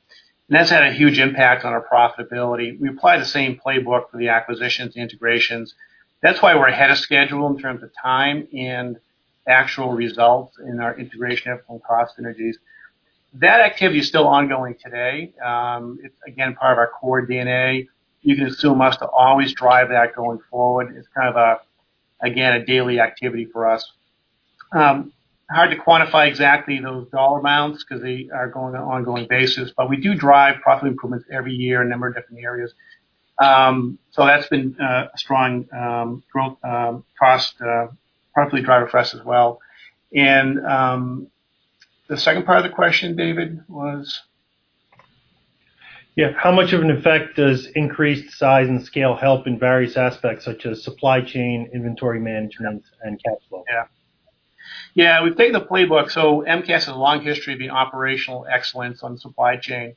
and that's had a huge impact on our profitability. We applied the same playbook for the acquisitions, the integrations. That's why we're ahead of schedule in terms of time and actual results in our integration of full cost synergies. That activity is still ongoing today. It's, again, part of our core DNA. You can assume us to always drive that going forward. It's kind of a, again, a daily activity for us. Hard to quantify exactly those dollar amounts 'cause they are on an ongoing basis, but we do drive profit improvements every year in a number of different areas. So that's been a strong growth, cost, profitability driver for us as well. The second part of the question, David, was? Yeah, how much of an effect does increased size and scale help in various aspects, such as supply chain, inventory management and cash flow? Yeah. Yeah, we've taken the playbook, so MKS has a long history of the operational excellence on supply chain,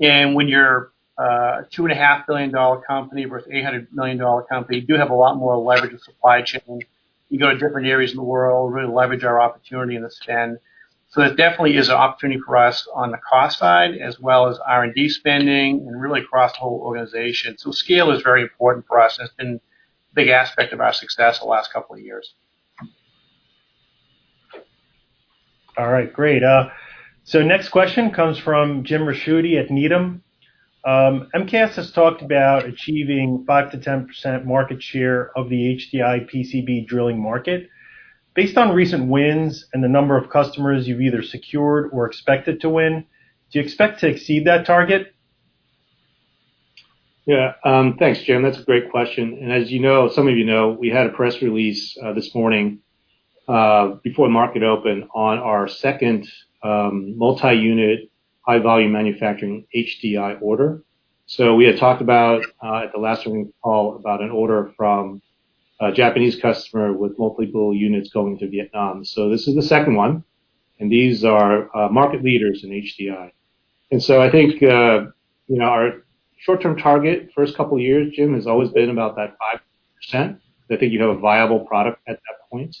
and when you're a $2.5 billion company versus $800 million company, you do have a lot more leverage in supply chain. You go to different areas in the world, really leverage our opportunity in the spend. So there definitely is an opportunity for us on the cost side, as well as R&D spending and really across the whole organization. So scale is very important for us. It's been a big aspect of our success the last couple of years. All right, great. So next question comes from Jim Ricchiuti at Needham. MKS has talked about achieving 5%-10% market share of the HDI PCB drilling market. Based on recent wins and the number of customers you've either secured or expected to win, do you expect to exceed that target? Yeah. Thanks, Jim. That's a great question, and as you know, some of you know, we had a press release, this morning, before the market opened, on our second, multi-unit, high volume manufacturing HDI order. So we had talked about, at the last earnings call, about an order from a Japanese customer with multiple units going to Vietnam. So this is the second one, and these are, market leaders in HDI. And so I think, you know, our short-term target, first couple of years, Jim, has always been about that 5%. I think you have a viable product at that point,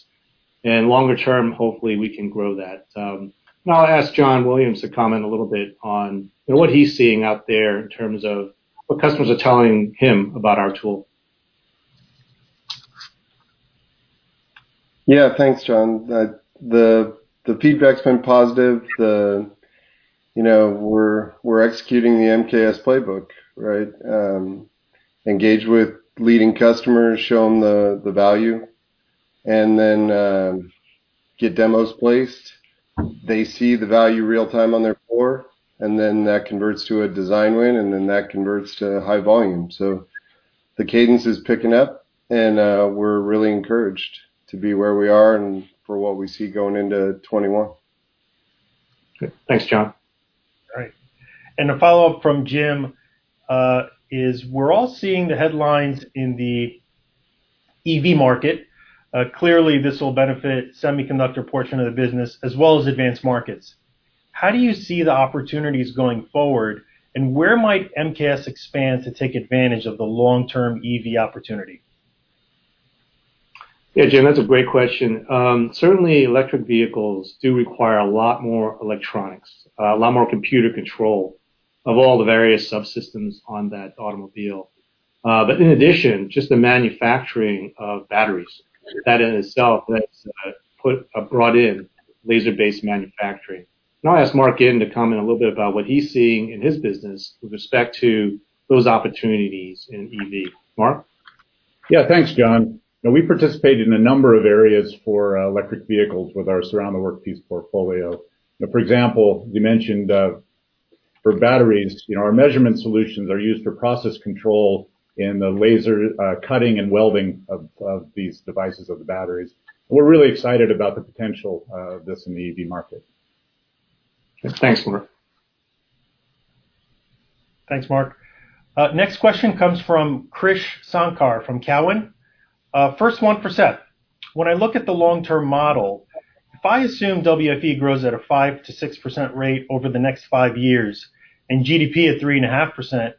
and longer term, hopefully, we can grow that. And I'll ask John Williams to comment a little bit on, you know, what he's seeing out there in terms of what customers are telling him about our tool. Yeah, thanks, John. The feedback's been positive. You know, we're executing the MKS playbook, right? Engage with leading customers, show them the value, and then get demos placed. They see the value real-time on their floor, and then that converts to a design win, and then that converts to high volume. So the cadence is picking up, and we're really encouraged to be where we are and for what we see going into 2021. Good. Thanks, John. All right. A follow-up from Jim is, we're all seeing the headlines in the EV market. Clearly, this will benefit semiconductor portion of the business as well as Advanced Markets. How do you see the opportunities going forward, and where might MKS expand to take advantage of the long-term EV opportunity? Yeah, Jim, that's a great question. Certainly, electric vehicles do require a lot more electronics, a lot more computer control of all the various subsystems on that automobile. But in addition, just the manufacturing of batteries, that in itself, that's brought in laser-based manufacturing. And I'll ask Mark Gitin to comment a little bit about what he's seeing in his business with respect to those opportunities in EV. Mark? Yeah, thanks, John. Now, we participate in a number of areas for electric vehicles with our Surround the Workpiece portfolio. For example, you mentioned for batteries, you know, our measurement solutions are used for process control in the laser cutting and welding of these devices of the batteries. We're really excited about the potential of this in the EV market. Thanks, Mark. Thanks, Mark. Next question comes from Krish Sankar, from Cowen. First one, for Seth. When I look at the long-term model, if I assume WFE grows at a 5%-6% rate over the next five years and GDP at 3.5%,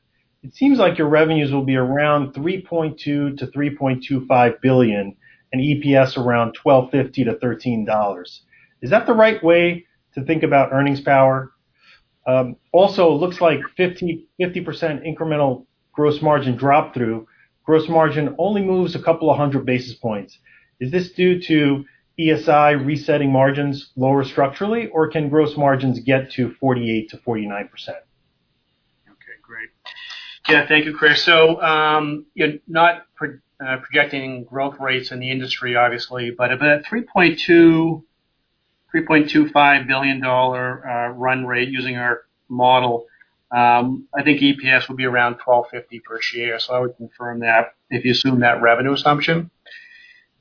it seems like your revenues will be around $3.2 billion-$3.25 billion, and EPS around $12.50-$13. Is that the right way to think about earnings power? Also, it looks like 50% incremental gross margin drop through, gross margin only moves a couple of hundred basis points. Is this due to ESI resetting margins lower structurally, or can gross margins get to 48%-49%? Yeah, thank you, Krish. So, you're not projecting growth rates in the industry, obviously, but if at $3.2 billion-$3.25 billion run rate using our model, I think EPS will be around $12.50 per share. So I would confirm that if you assume that revenue assumption.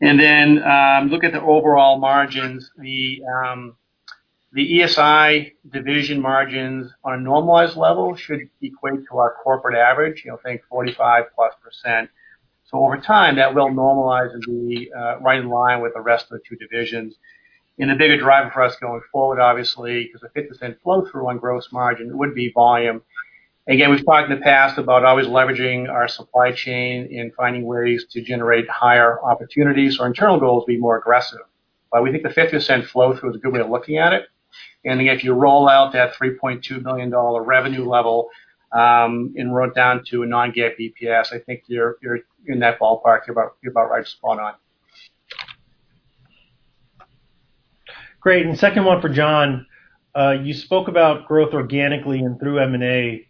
And then, look at the overall margins, the, the ESI division margins on a normalized level should be equivalent to our corporate average, you know, think 45%+. So over time, that will normalize and be right in line with the rest of the two divisions. And the bigger driver for us going forward, obviously, is a 50% flow-through on gross margin, it would be volume. Again, we've talked in the past about always leveraging our supply chain and finding ways to generate higher opportunities. Our internal goal is to be more aggressive, but we think the 50% flow-through is a good way of looking at it. And again, if you roll out that $3.2 billion revenue level, and run it down to a non-GAAP EPS, I think you're in that ballpark. You're about right. Spot on. Great. And second one for John. You spoke about growth organically and through M&A.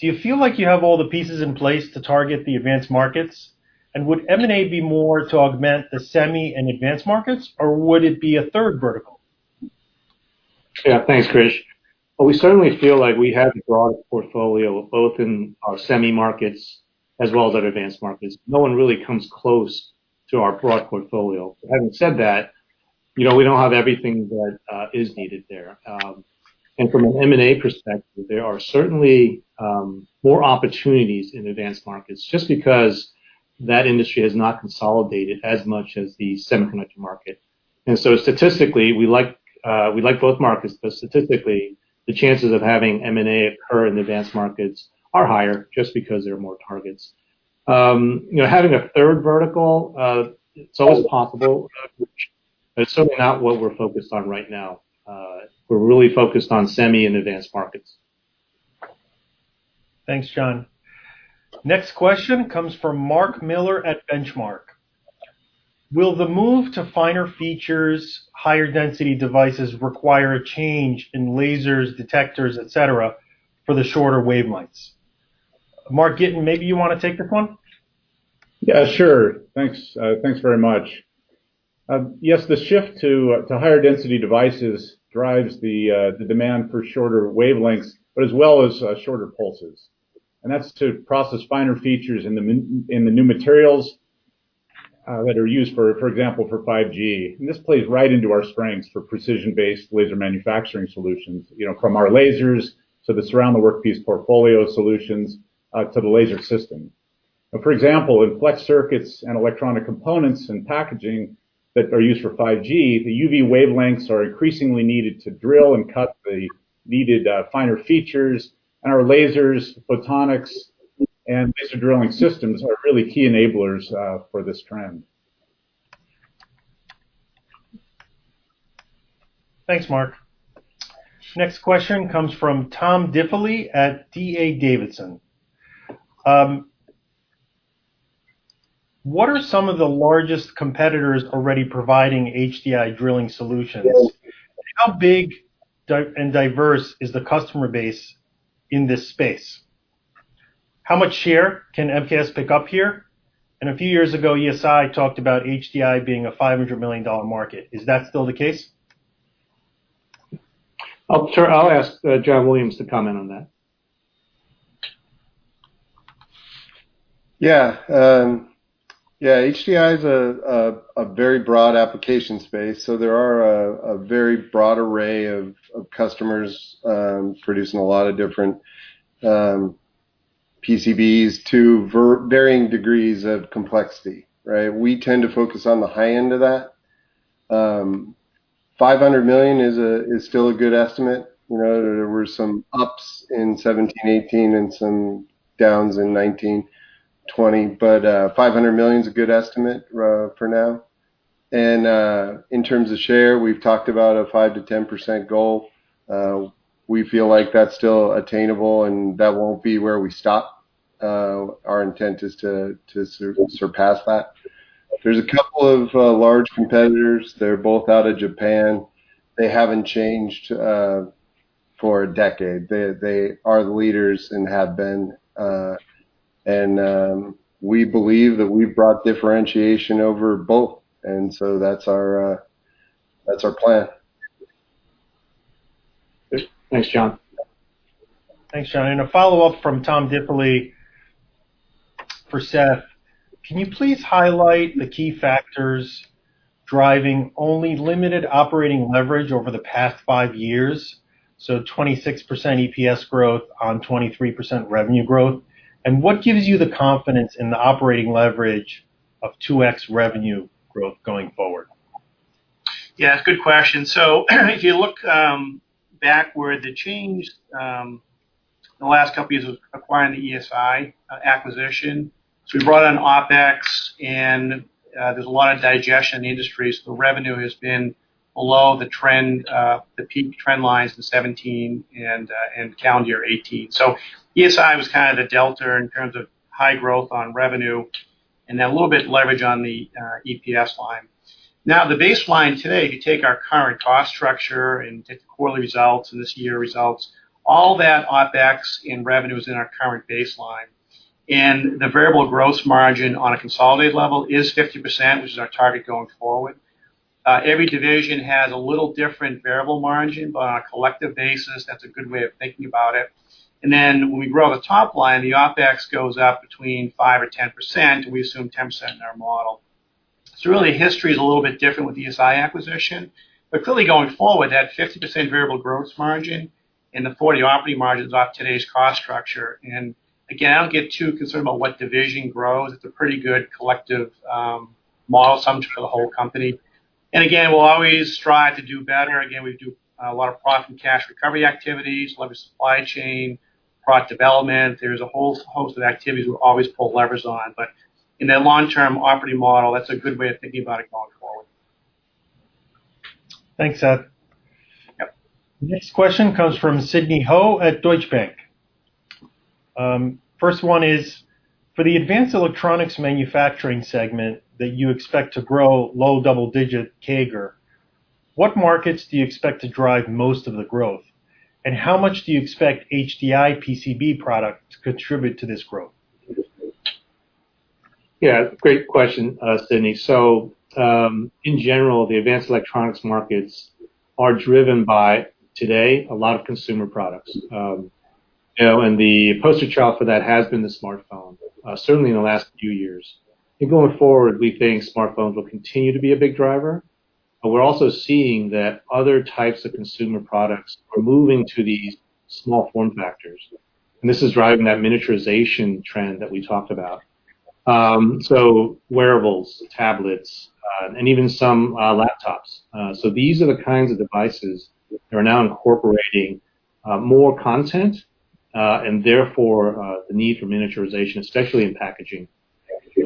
Do you feel like you have all the pieces in place to target the Advanced Markets? And would M&A be more to augment the Semi and Advanced Markets, or would it be a third vertical? Yeah. Thanks, Krish. Well, we certainly feel like we have a broad portfolio, both in our Semi markets as well as our Advanced Markets. No one really comes close to our broad portfolio. Having said that, you know, we don't have everything that is needed there. From an M&A perspective, there are certainly more opportunities in Advanced Markets just because that industry has not consolidated as much as the semiconductor market. So statistically, we like, we like both markets, but statistically, the chances of having M&A occur in Advanced Markets are higher just because there are more targets. You know, having a third vertical, it's always possible, but it's certainly not what we're focused on right now. We're really focused on Semi and Advanced Markets. Thanks, John. Next question comes from Mark Miller at Benchmark. Will the move to finer features, higher density devices require a change in lasers, detectors, et cetera, for the shorter wavelengths? Mark Gitin, maybe you want to take this one? Yeah, sure. Thanks, thanks very much. Yes, the shift to higher density devices drives the demand for shorter wavelengths, but as well as shorter pulses. And that's to process finer features in the new materials that are used, for example, for 5G. And this plays right into our strengths for precision-based laser manufacturing solutions, you know, from our lasers to the Surround the Workpiece portfolio solutions to the laser system. For example, in flex circuits and electronic components and packaging that are used for 5G, the UV wavelengths are increasingly needed to drill and cut the needed finer features, and our lasers, photonics, and laser drilling systems are really key enablers for this trend. Thanks, Mark. Next question comes from Tom Diffely at D.A. Davidson. What are some of the largest competitors already providing HDI drilling solutions? How big di- and diverse is the customer base in this space? How much share can MKS pick up here? And a few years ago, ESI talked about HDI being a $500 million market. Is that still the case? I'll ask John Williams to comment on that. Yeah, yeah, HDI is a very broad application space, so there are a very broad array of customers producing a lot of different PCBs to varying degrees of complexity, right? We tend to focus on the high end of that. $500 million is still a good estimate. You know, there were some ups in 2017, 2018 and some downs in 2019, 2020, but $500 million is a good estimate for now. And in terms of share, we've talked about a 5%-10% goal. We feel like that's still attainable, and that won't be where we stop. Our intent is to surpass that. There's a couple of large competitors. They're both out of Japan. They haven't changed for a decade. They, they are the leaders and have been, we believe that we've brought differentiation over both, and so that's our, that's our plan. Thanks, John. Thanks, John. And a follow-up from Tom Diffely for Seth. Can you please highlight the key factors driving only limited operating leverage over the past five years, so 26% EPS growth on 23% revenue growth? And what gives you the confidence in the operating leverage of 2x revenue growth going forward? Yeah, good question. So if you look backward, the change the last couple years was acquiring the ESI acquisition. So we brought on OpEx and there's a lot of digestion in the industry, so revenue has been below the trend the peak trend lines in 2017 and and calendar year 2018. So ESI was kind of the delta in terms of high growth on revenue, and then a little bit of leverage on the EPS line. Now, the baseline today, if you take our current cost structure and take the quarterly results and this year results, all that OpEx in revenue is in our current baseline, and the variable gross margin on a consolidated level is 50%, which is our target going forward. Every division has a little different variable margin, but on a collective basis, that's a good way of thinking about it. And then when we grow the top line, the OpEx goes up between 5%-10%. We assume 10% in our model. So really, history is a little bit different with the ESI acquisition, but clearly going forward, that 50% variable gross margin and the 40% operating margin is off today's cost structure. And again, I don't get too concerned about what division grows. It's a pretty good collective, model assumption for the whole company. Again, we'll always strive to do better. Again, we do a lot of profit and cash recovery activities, a lot of supply chain, product development. There's a whole host of activities we always pull levers on, but in that long-term operating model, that's a good way of thinking about it going forward. Thanks, Seth. Yep. Next question comes from Sidney Ho at Deutsche Bank. First one is: for the Advanced Electronics manufacturing segment that you expect to grow low double-digit CAGR, what markets do you expect to drive most of the growth? And how much do you expect HDI PCB product to contribute to this growth? Yeah, great question, Sidney. So, in general, the Advanced Electronics markets are driven by, today, a lot of consumer products. You know, and the poster child for that has been the smartphone, certainly in the last few years. And going forward, we think smartphones will continue to be a big driver, but we're also seeing that other types of consumer products are moving to these small form factors, and this is driving that miniaturization trend that we talked about. So wearables, tablets, and even some laptops. So these are the kinds of devices that are now incorporating more content, and therefore, the need for miniaturization, especially in packaging.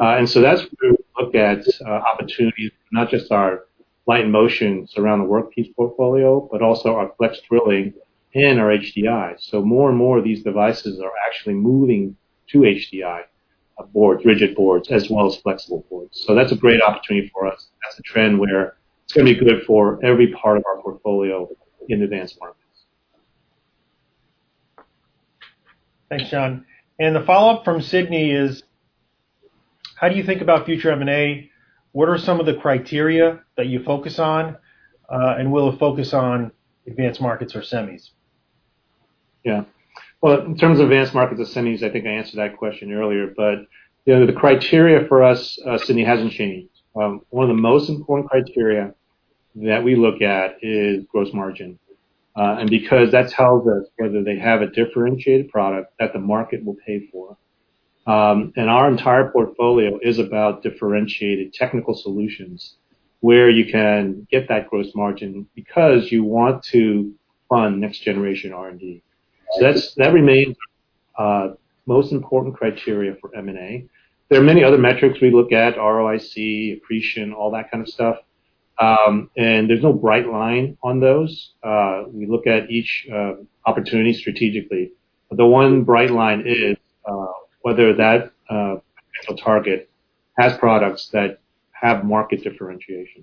And so that's where we look at opportunities for not just our Light & Motion Surround the Workpiece portfolio, but also our flex drilling and our HDI. More and more of these devices are actually moving to HDI boards, rigid boards, as well as flexible boards. That's a great opportunity for us. That's a trend where it's going to be good for every part of our portfolio in Advanced Markets. Thanks, John. And the follow-up from Sidney is: how do you think about future M&A? What are some of the criteria that you focus on, and will it focus on Advanced Markets or Semis? Yeah. Well, in terms of Advanced Markets or Semis, I think I answered that question earlier, but, you know, the criteria for us, Sidney, hasn't changed. One of the most important criteria that we look at is gross margin, and because that's how whether they have a differentiated product that the market will pay for. And our entire portfolio is about differentiated technical solutions, where you can get that gross margin because you want to fund next-generation R&D. So that's that remains, most important criteria for M&A. There are many other metrics we look at, ROIC, appreciation, all that kind of stuff, and there's no bright line on those. We look at each, opportunity strategically. But the one bright line is, whether that, potential target has products that have market differentiation.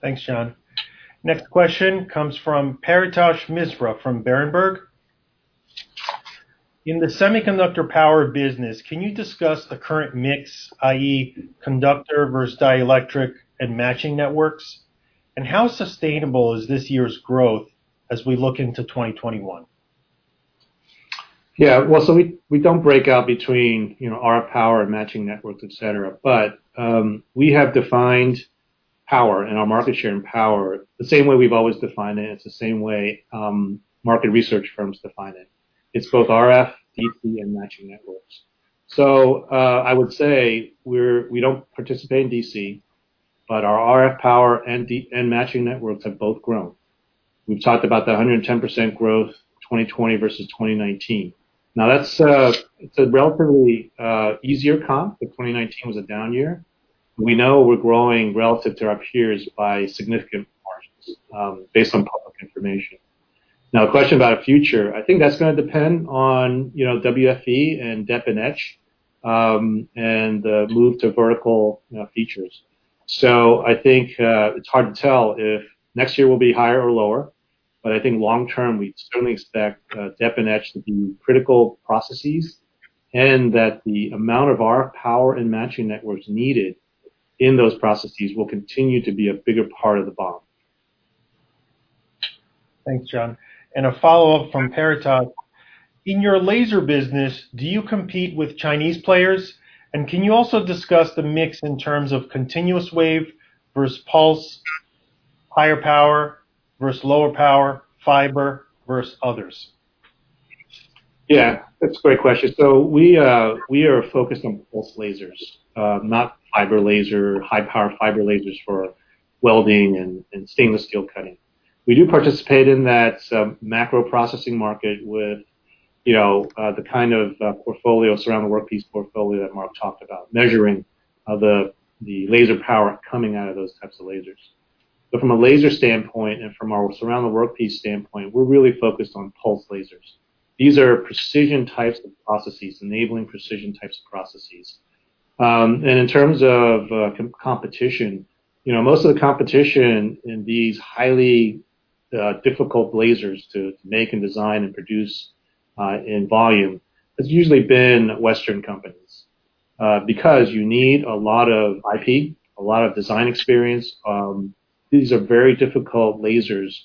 Thanks, John. Next question comes from Paritosh Misra, from Berenberg. In the semiconductor power business, can you discuss the current mix, i.e., conductor versus dielectric and matching networks? And how sustainable is this year's growth as we look into 2021? Yeah. Well, so we don't break out between, you know, RF power and matching networks, et cetera, but we have defined power and our market share in power, the same way we've always defined it. It's the same way market research firms define it. It's both RF, DC, and matching networks. So I would say we're—we don't participate in DC, but our RF power and DC and matching networks have both grown. We've talked about the 110% growth, 2020 versus 2019. Now, that's a relatively easier comp, but 2019 was a down year. We know we're growing relative to our peers by significant margins, based on public information. Now, a question about our future, I think that's going to depend on, you know, WFE and deposition and etch, and the move to vertical features. So I think it's hard to tell if next year will be higher or lower, but I think long term, we certainly expect deposition and etch to be critical processes, and that the amount of RF power and matching networks needed in those processes will continue to be a bigger part of the BOM. Thanks, John. And a follow-up from Paritosh: In your laser business, do you compete with Chinese players? And can you also discuss the mix in terms of continuous wave versus pulse, higher power versus lower power, fiber versus others? Yeah, that's a great question. So we are focused on pulse lasers, not fiber laser, high-power fiber lasers for welding and stainless steel cutting. We do participate in that macro processing market with, you know, the kind of portfolio, Surround the Workpiece portfolio that Mark talked about, measuring the laser power coming out of those types of lasers. But from a laser standpoint and from our Surround the Workpiece standpoint, we're really focused on pulse lasers. These are precision types of processes, enabling precision types of processes. And in terms of competition, you know, most of the competition in these highly difficult lasers to make and design and produce in volume has usually been Western companies, because you need a lot of IP, a lot of design experience. These are very difficult lasers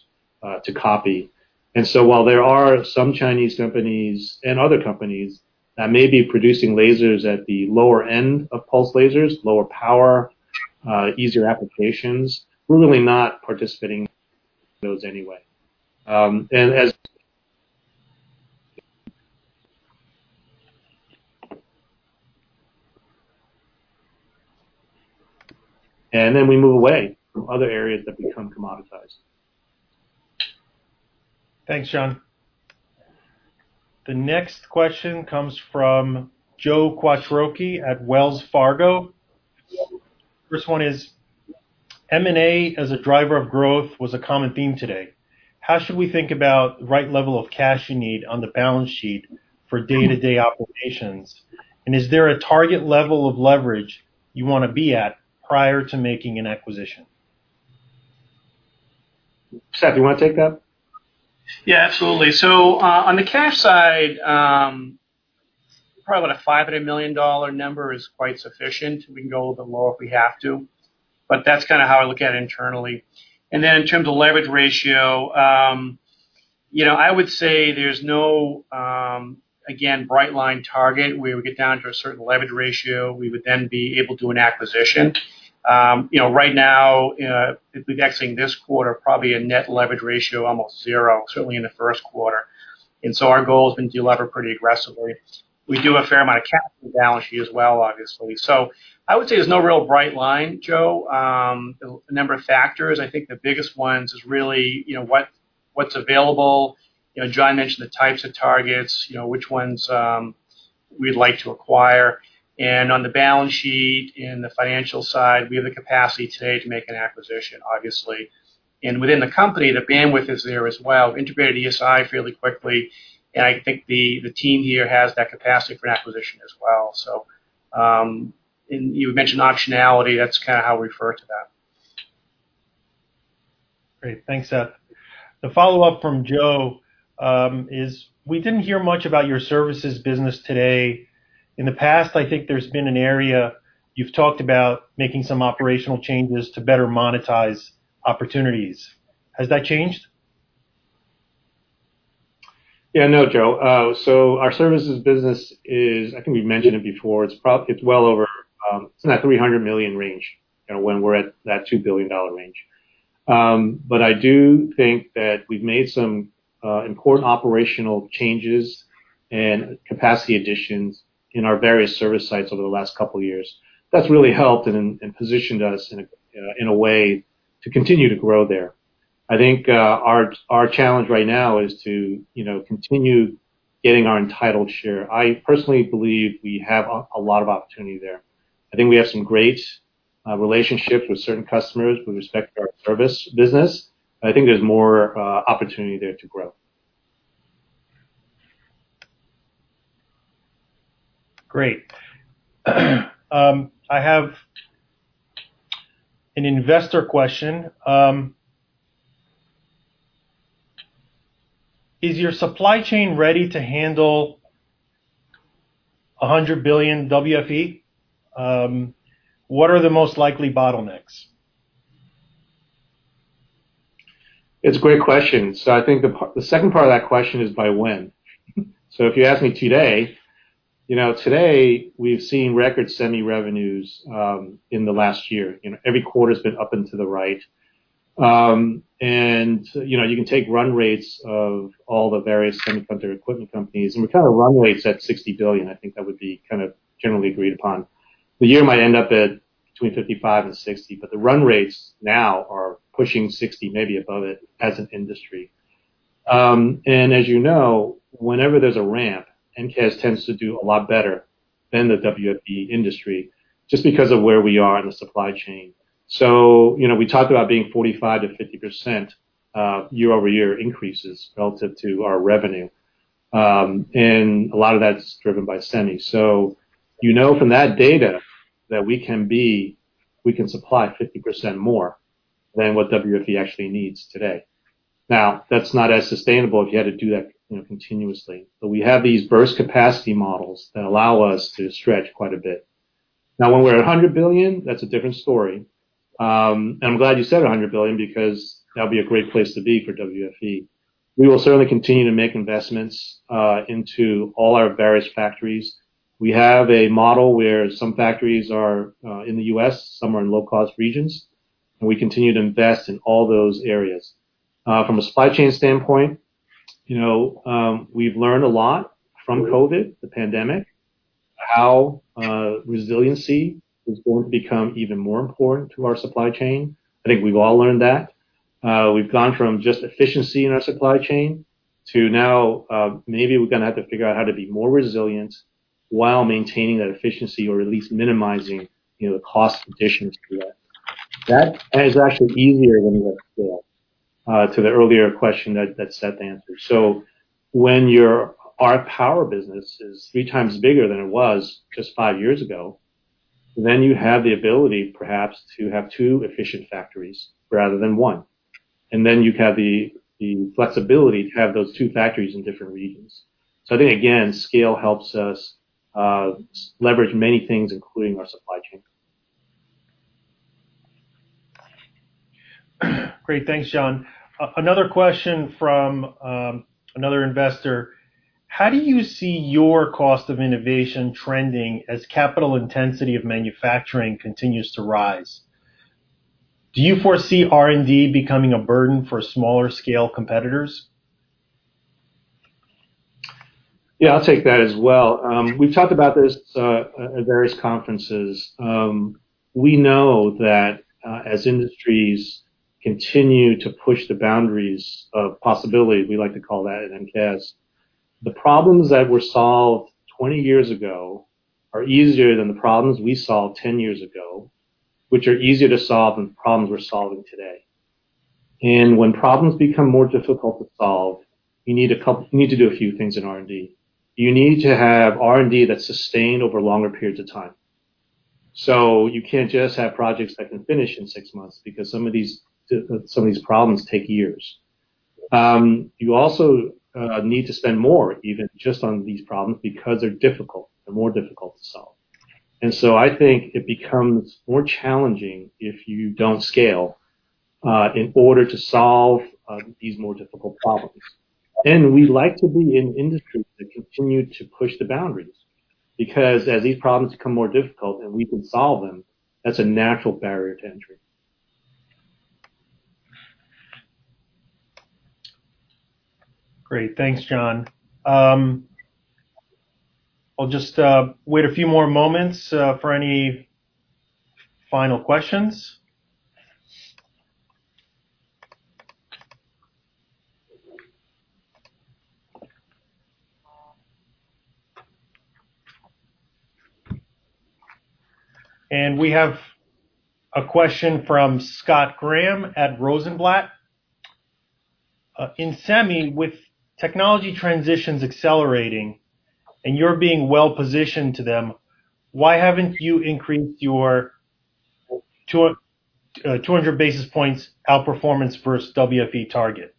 to copy. And so while there are some Chinese companies and other companies that may be producing lasers at the lower end of pulse lasers, lower power, easier applications, we're really not participating those anyway. And then we move away from other areas that become commoditized. Thanks, John. The next question comes from Joe Quattrocki at Wells Fargo. First one is, M&A, as a driver of growth, was a common theme today. How should we think about the right level of cash you need on the balance sheet for day-to-day operations? And is there a target level of leverage you wanna be at prior to making an acquisition? Seth, do you wanna take that? Yeah, absolutely. So, on the cash side, probably about a $500 million number is quite sufficient. We can go a little bit lower if we have to, but that's kind of how I look at it internally. And then in terms of leverage ratio, you know, I would say there's no, again, bright line target, where we get down to a certain leverage ratio, we would then be able to do an acquisition. You know, right now, if we've exiting this quarter, probably a net leverage ratio, almost zero, certainly in the first quarter. And so our goal has been to delever pretty aggressively. We do have a fair amount of cash on the balance sheet as well, obviously. So I would say there's no real bright line, Joe. A number of factors. I think the biggest ones is really, you know, what, what's available. You know, John mentioned the types of targets, you know, which ones we'd like to acquire. And on the balance sheet, in the financial side, we have the capacity today to make an acquisition, obviously. And within the company, the bandwidth is there as well, integrated ESI fairly quickly, and I think the team here has that capacity for an acquisition as well. So, and you mentioned optionality, that's kinda how we refer to that. Great. Thanks, Seth. The follow-up from Joe is: We didn't hear much about your services business today. In the past, I think there's been an area you've talked about making some operational changes to better monetize opportunities. Has that changed? Yeah. No, Joe. So our services business is... I think we've mentioned it before, it's well over, it's in that $300 million range, you know, when we're at that $2 billion range. But I do think that we've made some important operational changes and capacity additions in our various service sites over the last couple of years. That's really helped and positioned us in a way to continue to grow there. I think our challenge right now is to, you know, continue getting our entitled share. I personally believe we have a lot of opportunity there. I think we have some great relationships with certain customers with respect to our service business, but I think there's more opportunity there to grow. Great. I have an investor question. Is your supply chain ready to handle $100 billion WFE? What are the most likely bottlenecks? It's a great question. So I think the second part of that question is by when? So if you ask me today, you know, today, we've seen record semi-revenues in the last year, and every quarter has been up into the right. And, you know, you can take run rates of all the various semiconductor equipment companies, and we kind of run rates at $60 billion. I think that would be kind of generally agreed upon. The year might end up at between $55 billion and $60 billion, but the run rates now are pushing $60 billion, maybe above it, as an industry. And as you know, whenever there's a ramp, MKS tends to do a lot better than the WFE industry just because of where we are in the supply chain. So, you know, we talked about being 45%-50% year-over-year increases relative to our revenue, and a lot of that's driven by Semi. So you know from that data that we can be—we can supply 50% more than what WFE actually needs today. Now, that's not as sustainable if you had to do that, you know, continuously. But we have these burst capacity models that allow us to stretch quite a bit. Now, when we're at $100 billion, that's a different story. And I'm glad you said $100 billion because that'll be a great place to be for WFE. We will certainly continue to make investments into all our various factories. We have a model where some factories are in the U.S., some are in low-cost regions, and we continue to invest in all those areas. From a supply chain standpoint, you know, we've learned a lot from COVID, the pandemic, how resiliency is going to become even more important to our supply chain. I think we've all learned that. We've gone from just efficiency in our supply chain to now, maybe we're gonna have to figure out how to be more resilient while maintaining that efficiency or at least minimizing, you know, the cost additions to that. That is actually easier when you have scale, to the earlier question that Seth answered. So when your-our power business is three times bigger than it was just five years ago, then you have the ability perhaps to have two efficient factories rather than one, and then you have the flexibility to have those two factories in different regions. I think, again, scale helps us leverage many things, including our supply chain. Great. Thanks, John. Another question from another investor: How do you see your cost of innovation trending as capital intensity of manufacturing continues to rise? Do you foresee R&D becoming a burden for smaller-scale competitors? Yeah, I'll take that as well. We've talked about this at various conferences. We know that as industries continue to push the boundaries of possibility, we like to call that at MKS, the problems that were solved 20 years ago are easier than the problems we solved 10 years ago, which are easier to solve than the problems we're solving today. And when problems become more difficult to solve, you need to do a few things in R&D. You need to have R&D that's sustained over longer periods of time. So you can't just have projects that can finish in six months, because some of these problems take years. You also need to spend more, even just on these problems, because they're difficult, they're more difficult to solve. I think it becomes more challenging if you don't scale in order to solve these more difficult problems. We like to be in industries that continue to push the boundaries, because as these problems become more difficult, and we can solve them, that's a natural barrier to entry. Great. Thanks, John. I'll just wait a few more moments for any final questions. We have a question from Scott Graham at Rosenblatt. In Semi, with technology transitions accelerating and you're being well-positioned to them, why haven't you increased your 200 basis points outperformance versus WFE target?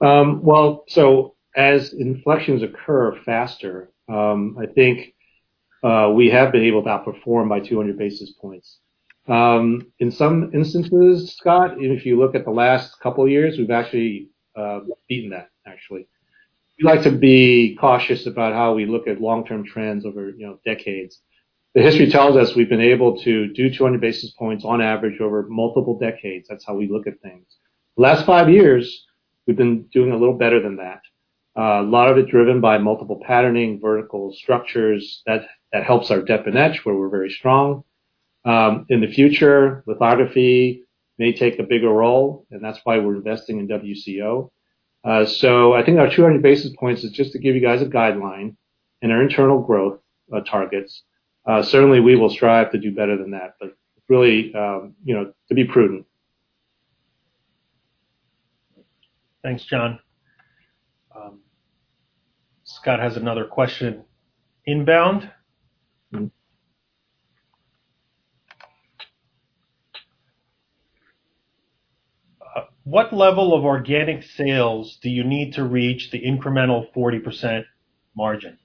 Well, so as inflections occur faster, I think, we have been able to outperform by 200 basis points. In some instances, Scott, and if you look at the last couple of years, we've actually beaten that, actually. We like to be cautious about how we look at long-term trends over, you know, decades. The history tells us we've been able to do 200 basis points on average over multiple decades. That's how we look at things. The last five years, we've been doing a little better than that. A lot of it driven by multiple patterning, vertical structures, that helps our dep and etch, where we're very strong. In the future, lithography may take a bigger role, and that's why we're investing in WCO. So I think our 200 basis points is just to give you guys a guideline and our internal growth targets. Certainly, we will strive to do better than that, but really, you know, to be prudent. Thanks, John. Scott has another question inbound. Mm-hmm. What level of organic sales do you need to reach the incremental 40% margin?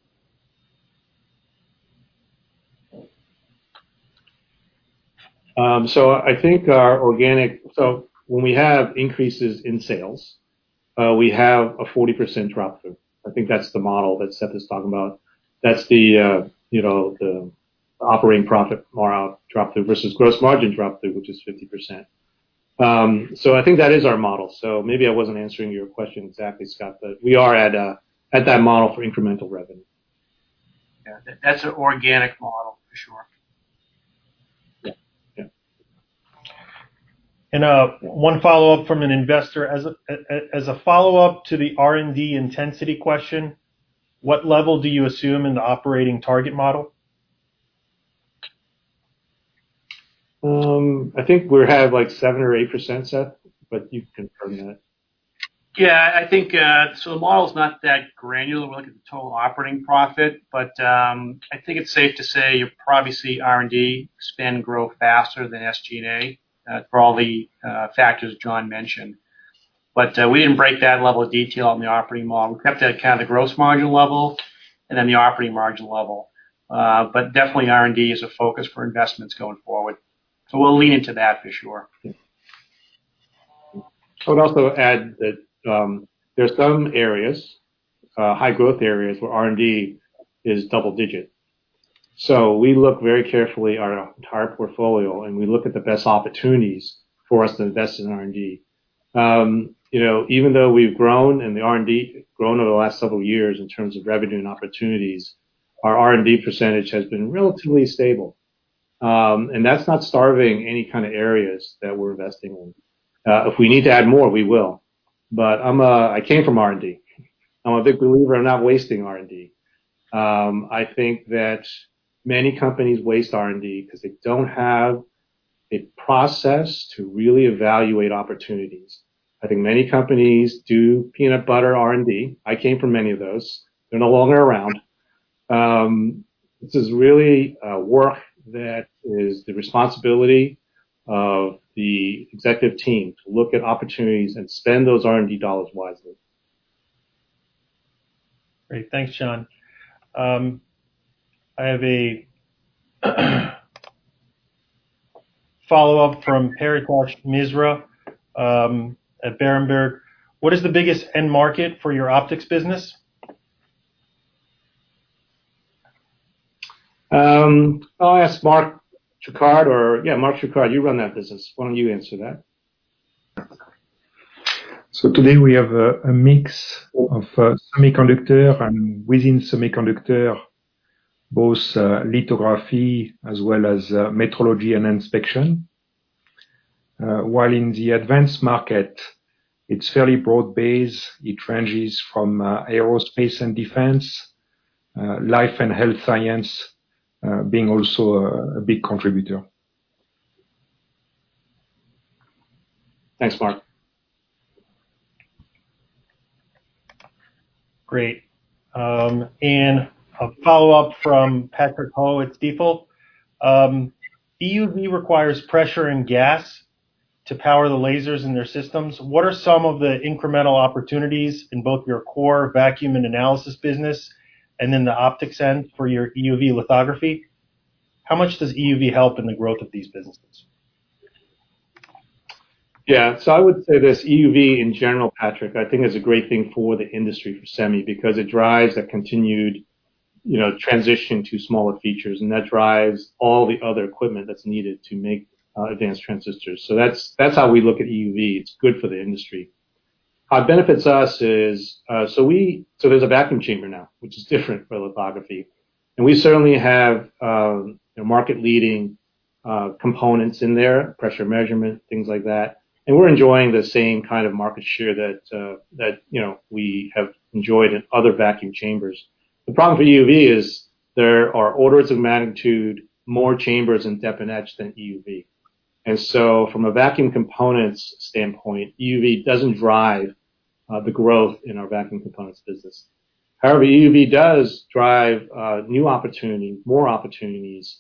So I think our organic, when we have increases in sales, we have a 40% drop-through. I think that's the model that Seth is talking about. That's the, you know, the operating profit marginal drop-through versus gross margin drop-through, which is 50%. I think that is our model. Maybe I wasn't answering your question exactly, Scott, but we are at that model for incremental revenue. Yeah, that's an organic model for sure. Yeah. Yeah. One follow-up from an investor. As a follow-up to the R&D intensity question, what level do you assume in the operating target model? I think we have, like, 7%-8%, Seth, but you can confirm that. Yeah, I think so the model is not that granular when we look at the total operating profit, but I think it's safe to say you probably see R&D spend grow faster than SG&A for all the factors John mentioned. But we didn't break that level of detail on the operating model. We kept it at kind of the gross margin level and then the operating margin level. But definitely R&D is a focus for investments going forward, so we'll lean into that for sure. Yeah. I'd also add that, there's some areas, high-growth areas, where R&D is double-digit. So we look very carefully at our entire portfolio, and we look at the best opportunities for us to invest in R&D. You know, even though we've grown, and the R&D grown over the last several years in terms of revenue and opportunities, our R&D percentage has been relatively stable. And that's not starving any kind of areas that we're investing in. If we need to add more, we will. But I came from R&D. I'm a big believer in not wasting R&D. I think that many companies waste R&D because they don't have a process to really evaluate opportunities. I think many companies do peanut butter R&D. I came from many of those. They're no longer around. This is really work that is the responsibility of the executive team to look at opportunities and spend those R&D dollars wisely. Great. Thanks, John. I have a follow-up from Paritosh Misra at Berenberg. "What is the biggest end market for your optics business? I'll ask Marc Tricard or... Yeah, Marc Tricard, you run that business. Why don't you answer that? So today, we have a mix of semiconductor, and within semiconductor, both lithography as well as metrology and inspection. While in the advanced market, it's fairly broad-based. It ranges from aerospace and defense, life and health science being also a big contributor. Thanks, Marc. Great. A follow-up from Patrick Ho at Stifel. EUV requires pressure and gas to power the lasers in their systems. What are some of the incremental opportunities in both your core Vacuum & Analysis business, and then the optics end for your EUV lithography? How much does EUV help in the growth of these businesses? Yeah. So I would say this, EUV, in general, Patrick, I think, is a great thing for the industry, for Semi, because it drives a continued, you know, transition to smaller features, and that drives all the other equipment that's needed to make advanced transistors. So that's, that's how we look at EUV. It's good for the industry. How it benefits us is... So so there's a vacuum chamber now, which is different for lithography, and we certainly have a market-leading components in there, pressure measurement, things like that, and we're enjoying the same kind of market share that, that, you know, we have enjoyed in other vacuum chambers. The problem for EUV is there are orders of magnitude, more chambers in dep and etch than EUV. From a vacuum components standpoint, EUV doesn't drive the growth in our vacuum components business. However, EUV does drive new opportunity, more opportunities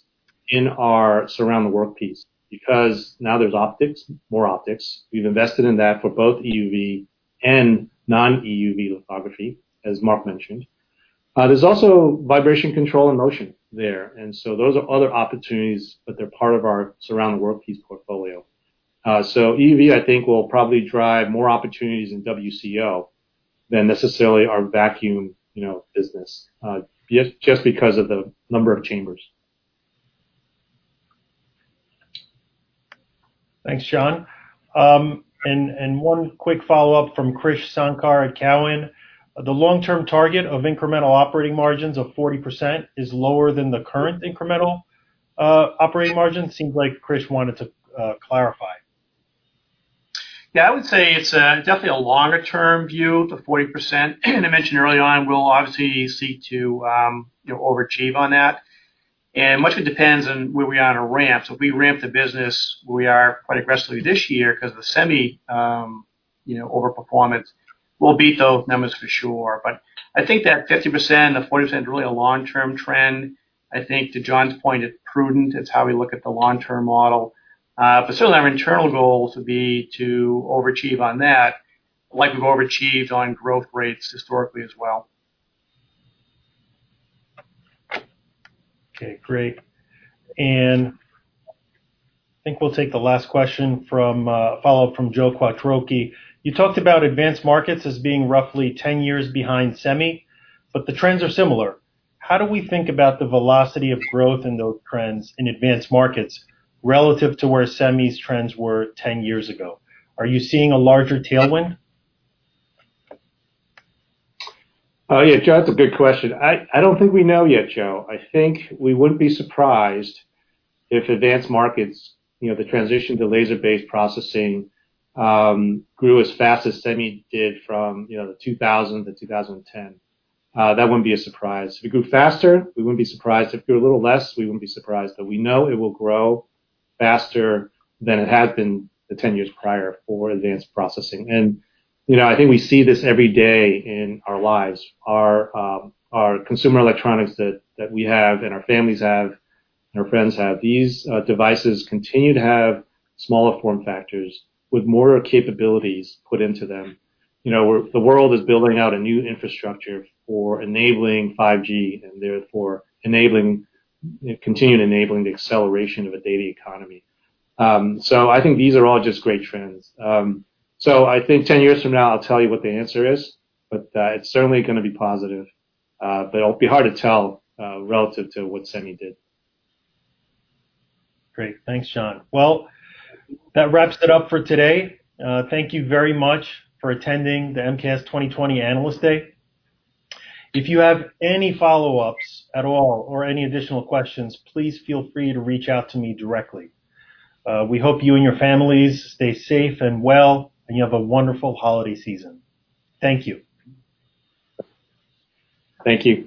in our Surround the Workpiece, because now there's optics, more optics. We've invested in that for both EUV and non-EUV lithography, as Marc mentioned. There's also vibration control and motion there, and so those are other opportunities, but they're part of our Surround the Workpiece portfolio. So EUV, I think, will probably drive more opportunities in WCO than necessarily our vacuum, you know, business, just because of the number of chambers. Thanks, John. One quick follow-up from Krish Sankar at Cowen. The long-term target of incremental operating margins of 40% is lower than the current incremental operating margin? Seems like Krish wanted to clarify. Yeah, I would say it's definitely a longer-term view, the 40%. I mentioned early on, we'll obviously seek to, you know, overachieve on that, and much of it depends on where we are on a ramp. So if we ramp the business, we are quite aggressively this year, 'cause the Semi, you know, overperformance, we'll beat those numbers for sure. But I think that 50%, the 40%, is really a long-term trend. I think to John's point, it's prudent, it's how we look at the long-term model. But certainly our internal goal would be to overachieve on that, like we've overachieved on growth rates historically as well. Okay, great. I think we'll take the last question from a follow-up from Joe Quattrocki. You talked about Advanced Markets as being roughly 10 years behind Semi, but the trends are similar. How do we think about the velocity of growth in those trends in Advanced Markets relative to where Semi's trends were 10 years ago? Are you seeing a larger tailwind? Oh, yeah, Joe, that's a good question. I don't think we know yet, Joe. I think we wouldn't be surprised if Advanced Markets, you know, the transition to laser-based processing, grew as fast as Semi did from 2000 to 2010. That wouldn't be a surprise. If we grew faster, we wouldn't be surprised. If we grew a little less, we wouldn't be surprised. But we know it will grow faster than it has been the 10 years prior for advanced processing. You know, I think we see this every day in our lives. Our consumer electronics that we have, and our families have, and our friends have, these devices continue to have smaller form factors with more capabilities put into them. You know, the world is building out a new infrastructure for enabling 5G, and therefore enabling- continuing enabling the acceleration of a data economy. So I think these are all just great trends. So I think 10 years from now, I'll tell you what the answer is, but it's certainly gonna be positive, but it'll be hard to tell, relative to what Semi did. Great. Thanks, John. Well, that wraps it up for today. Thank you very much for attending the MKS 2020 Analyst Day. If you have any follow-ups at all or any additional questions, please feel free to reach out to me directly. We hope you and your families stay safe and well, and you have a wonderful holiday season. Thank you. Thank you.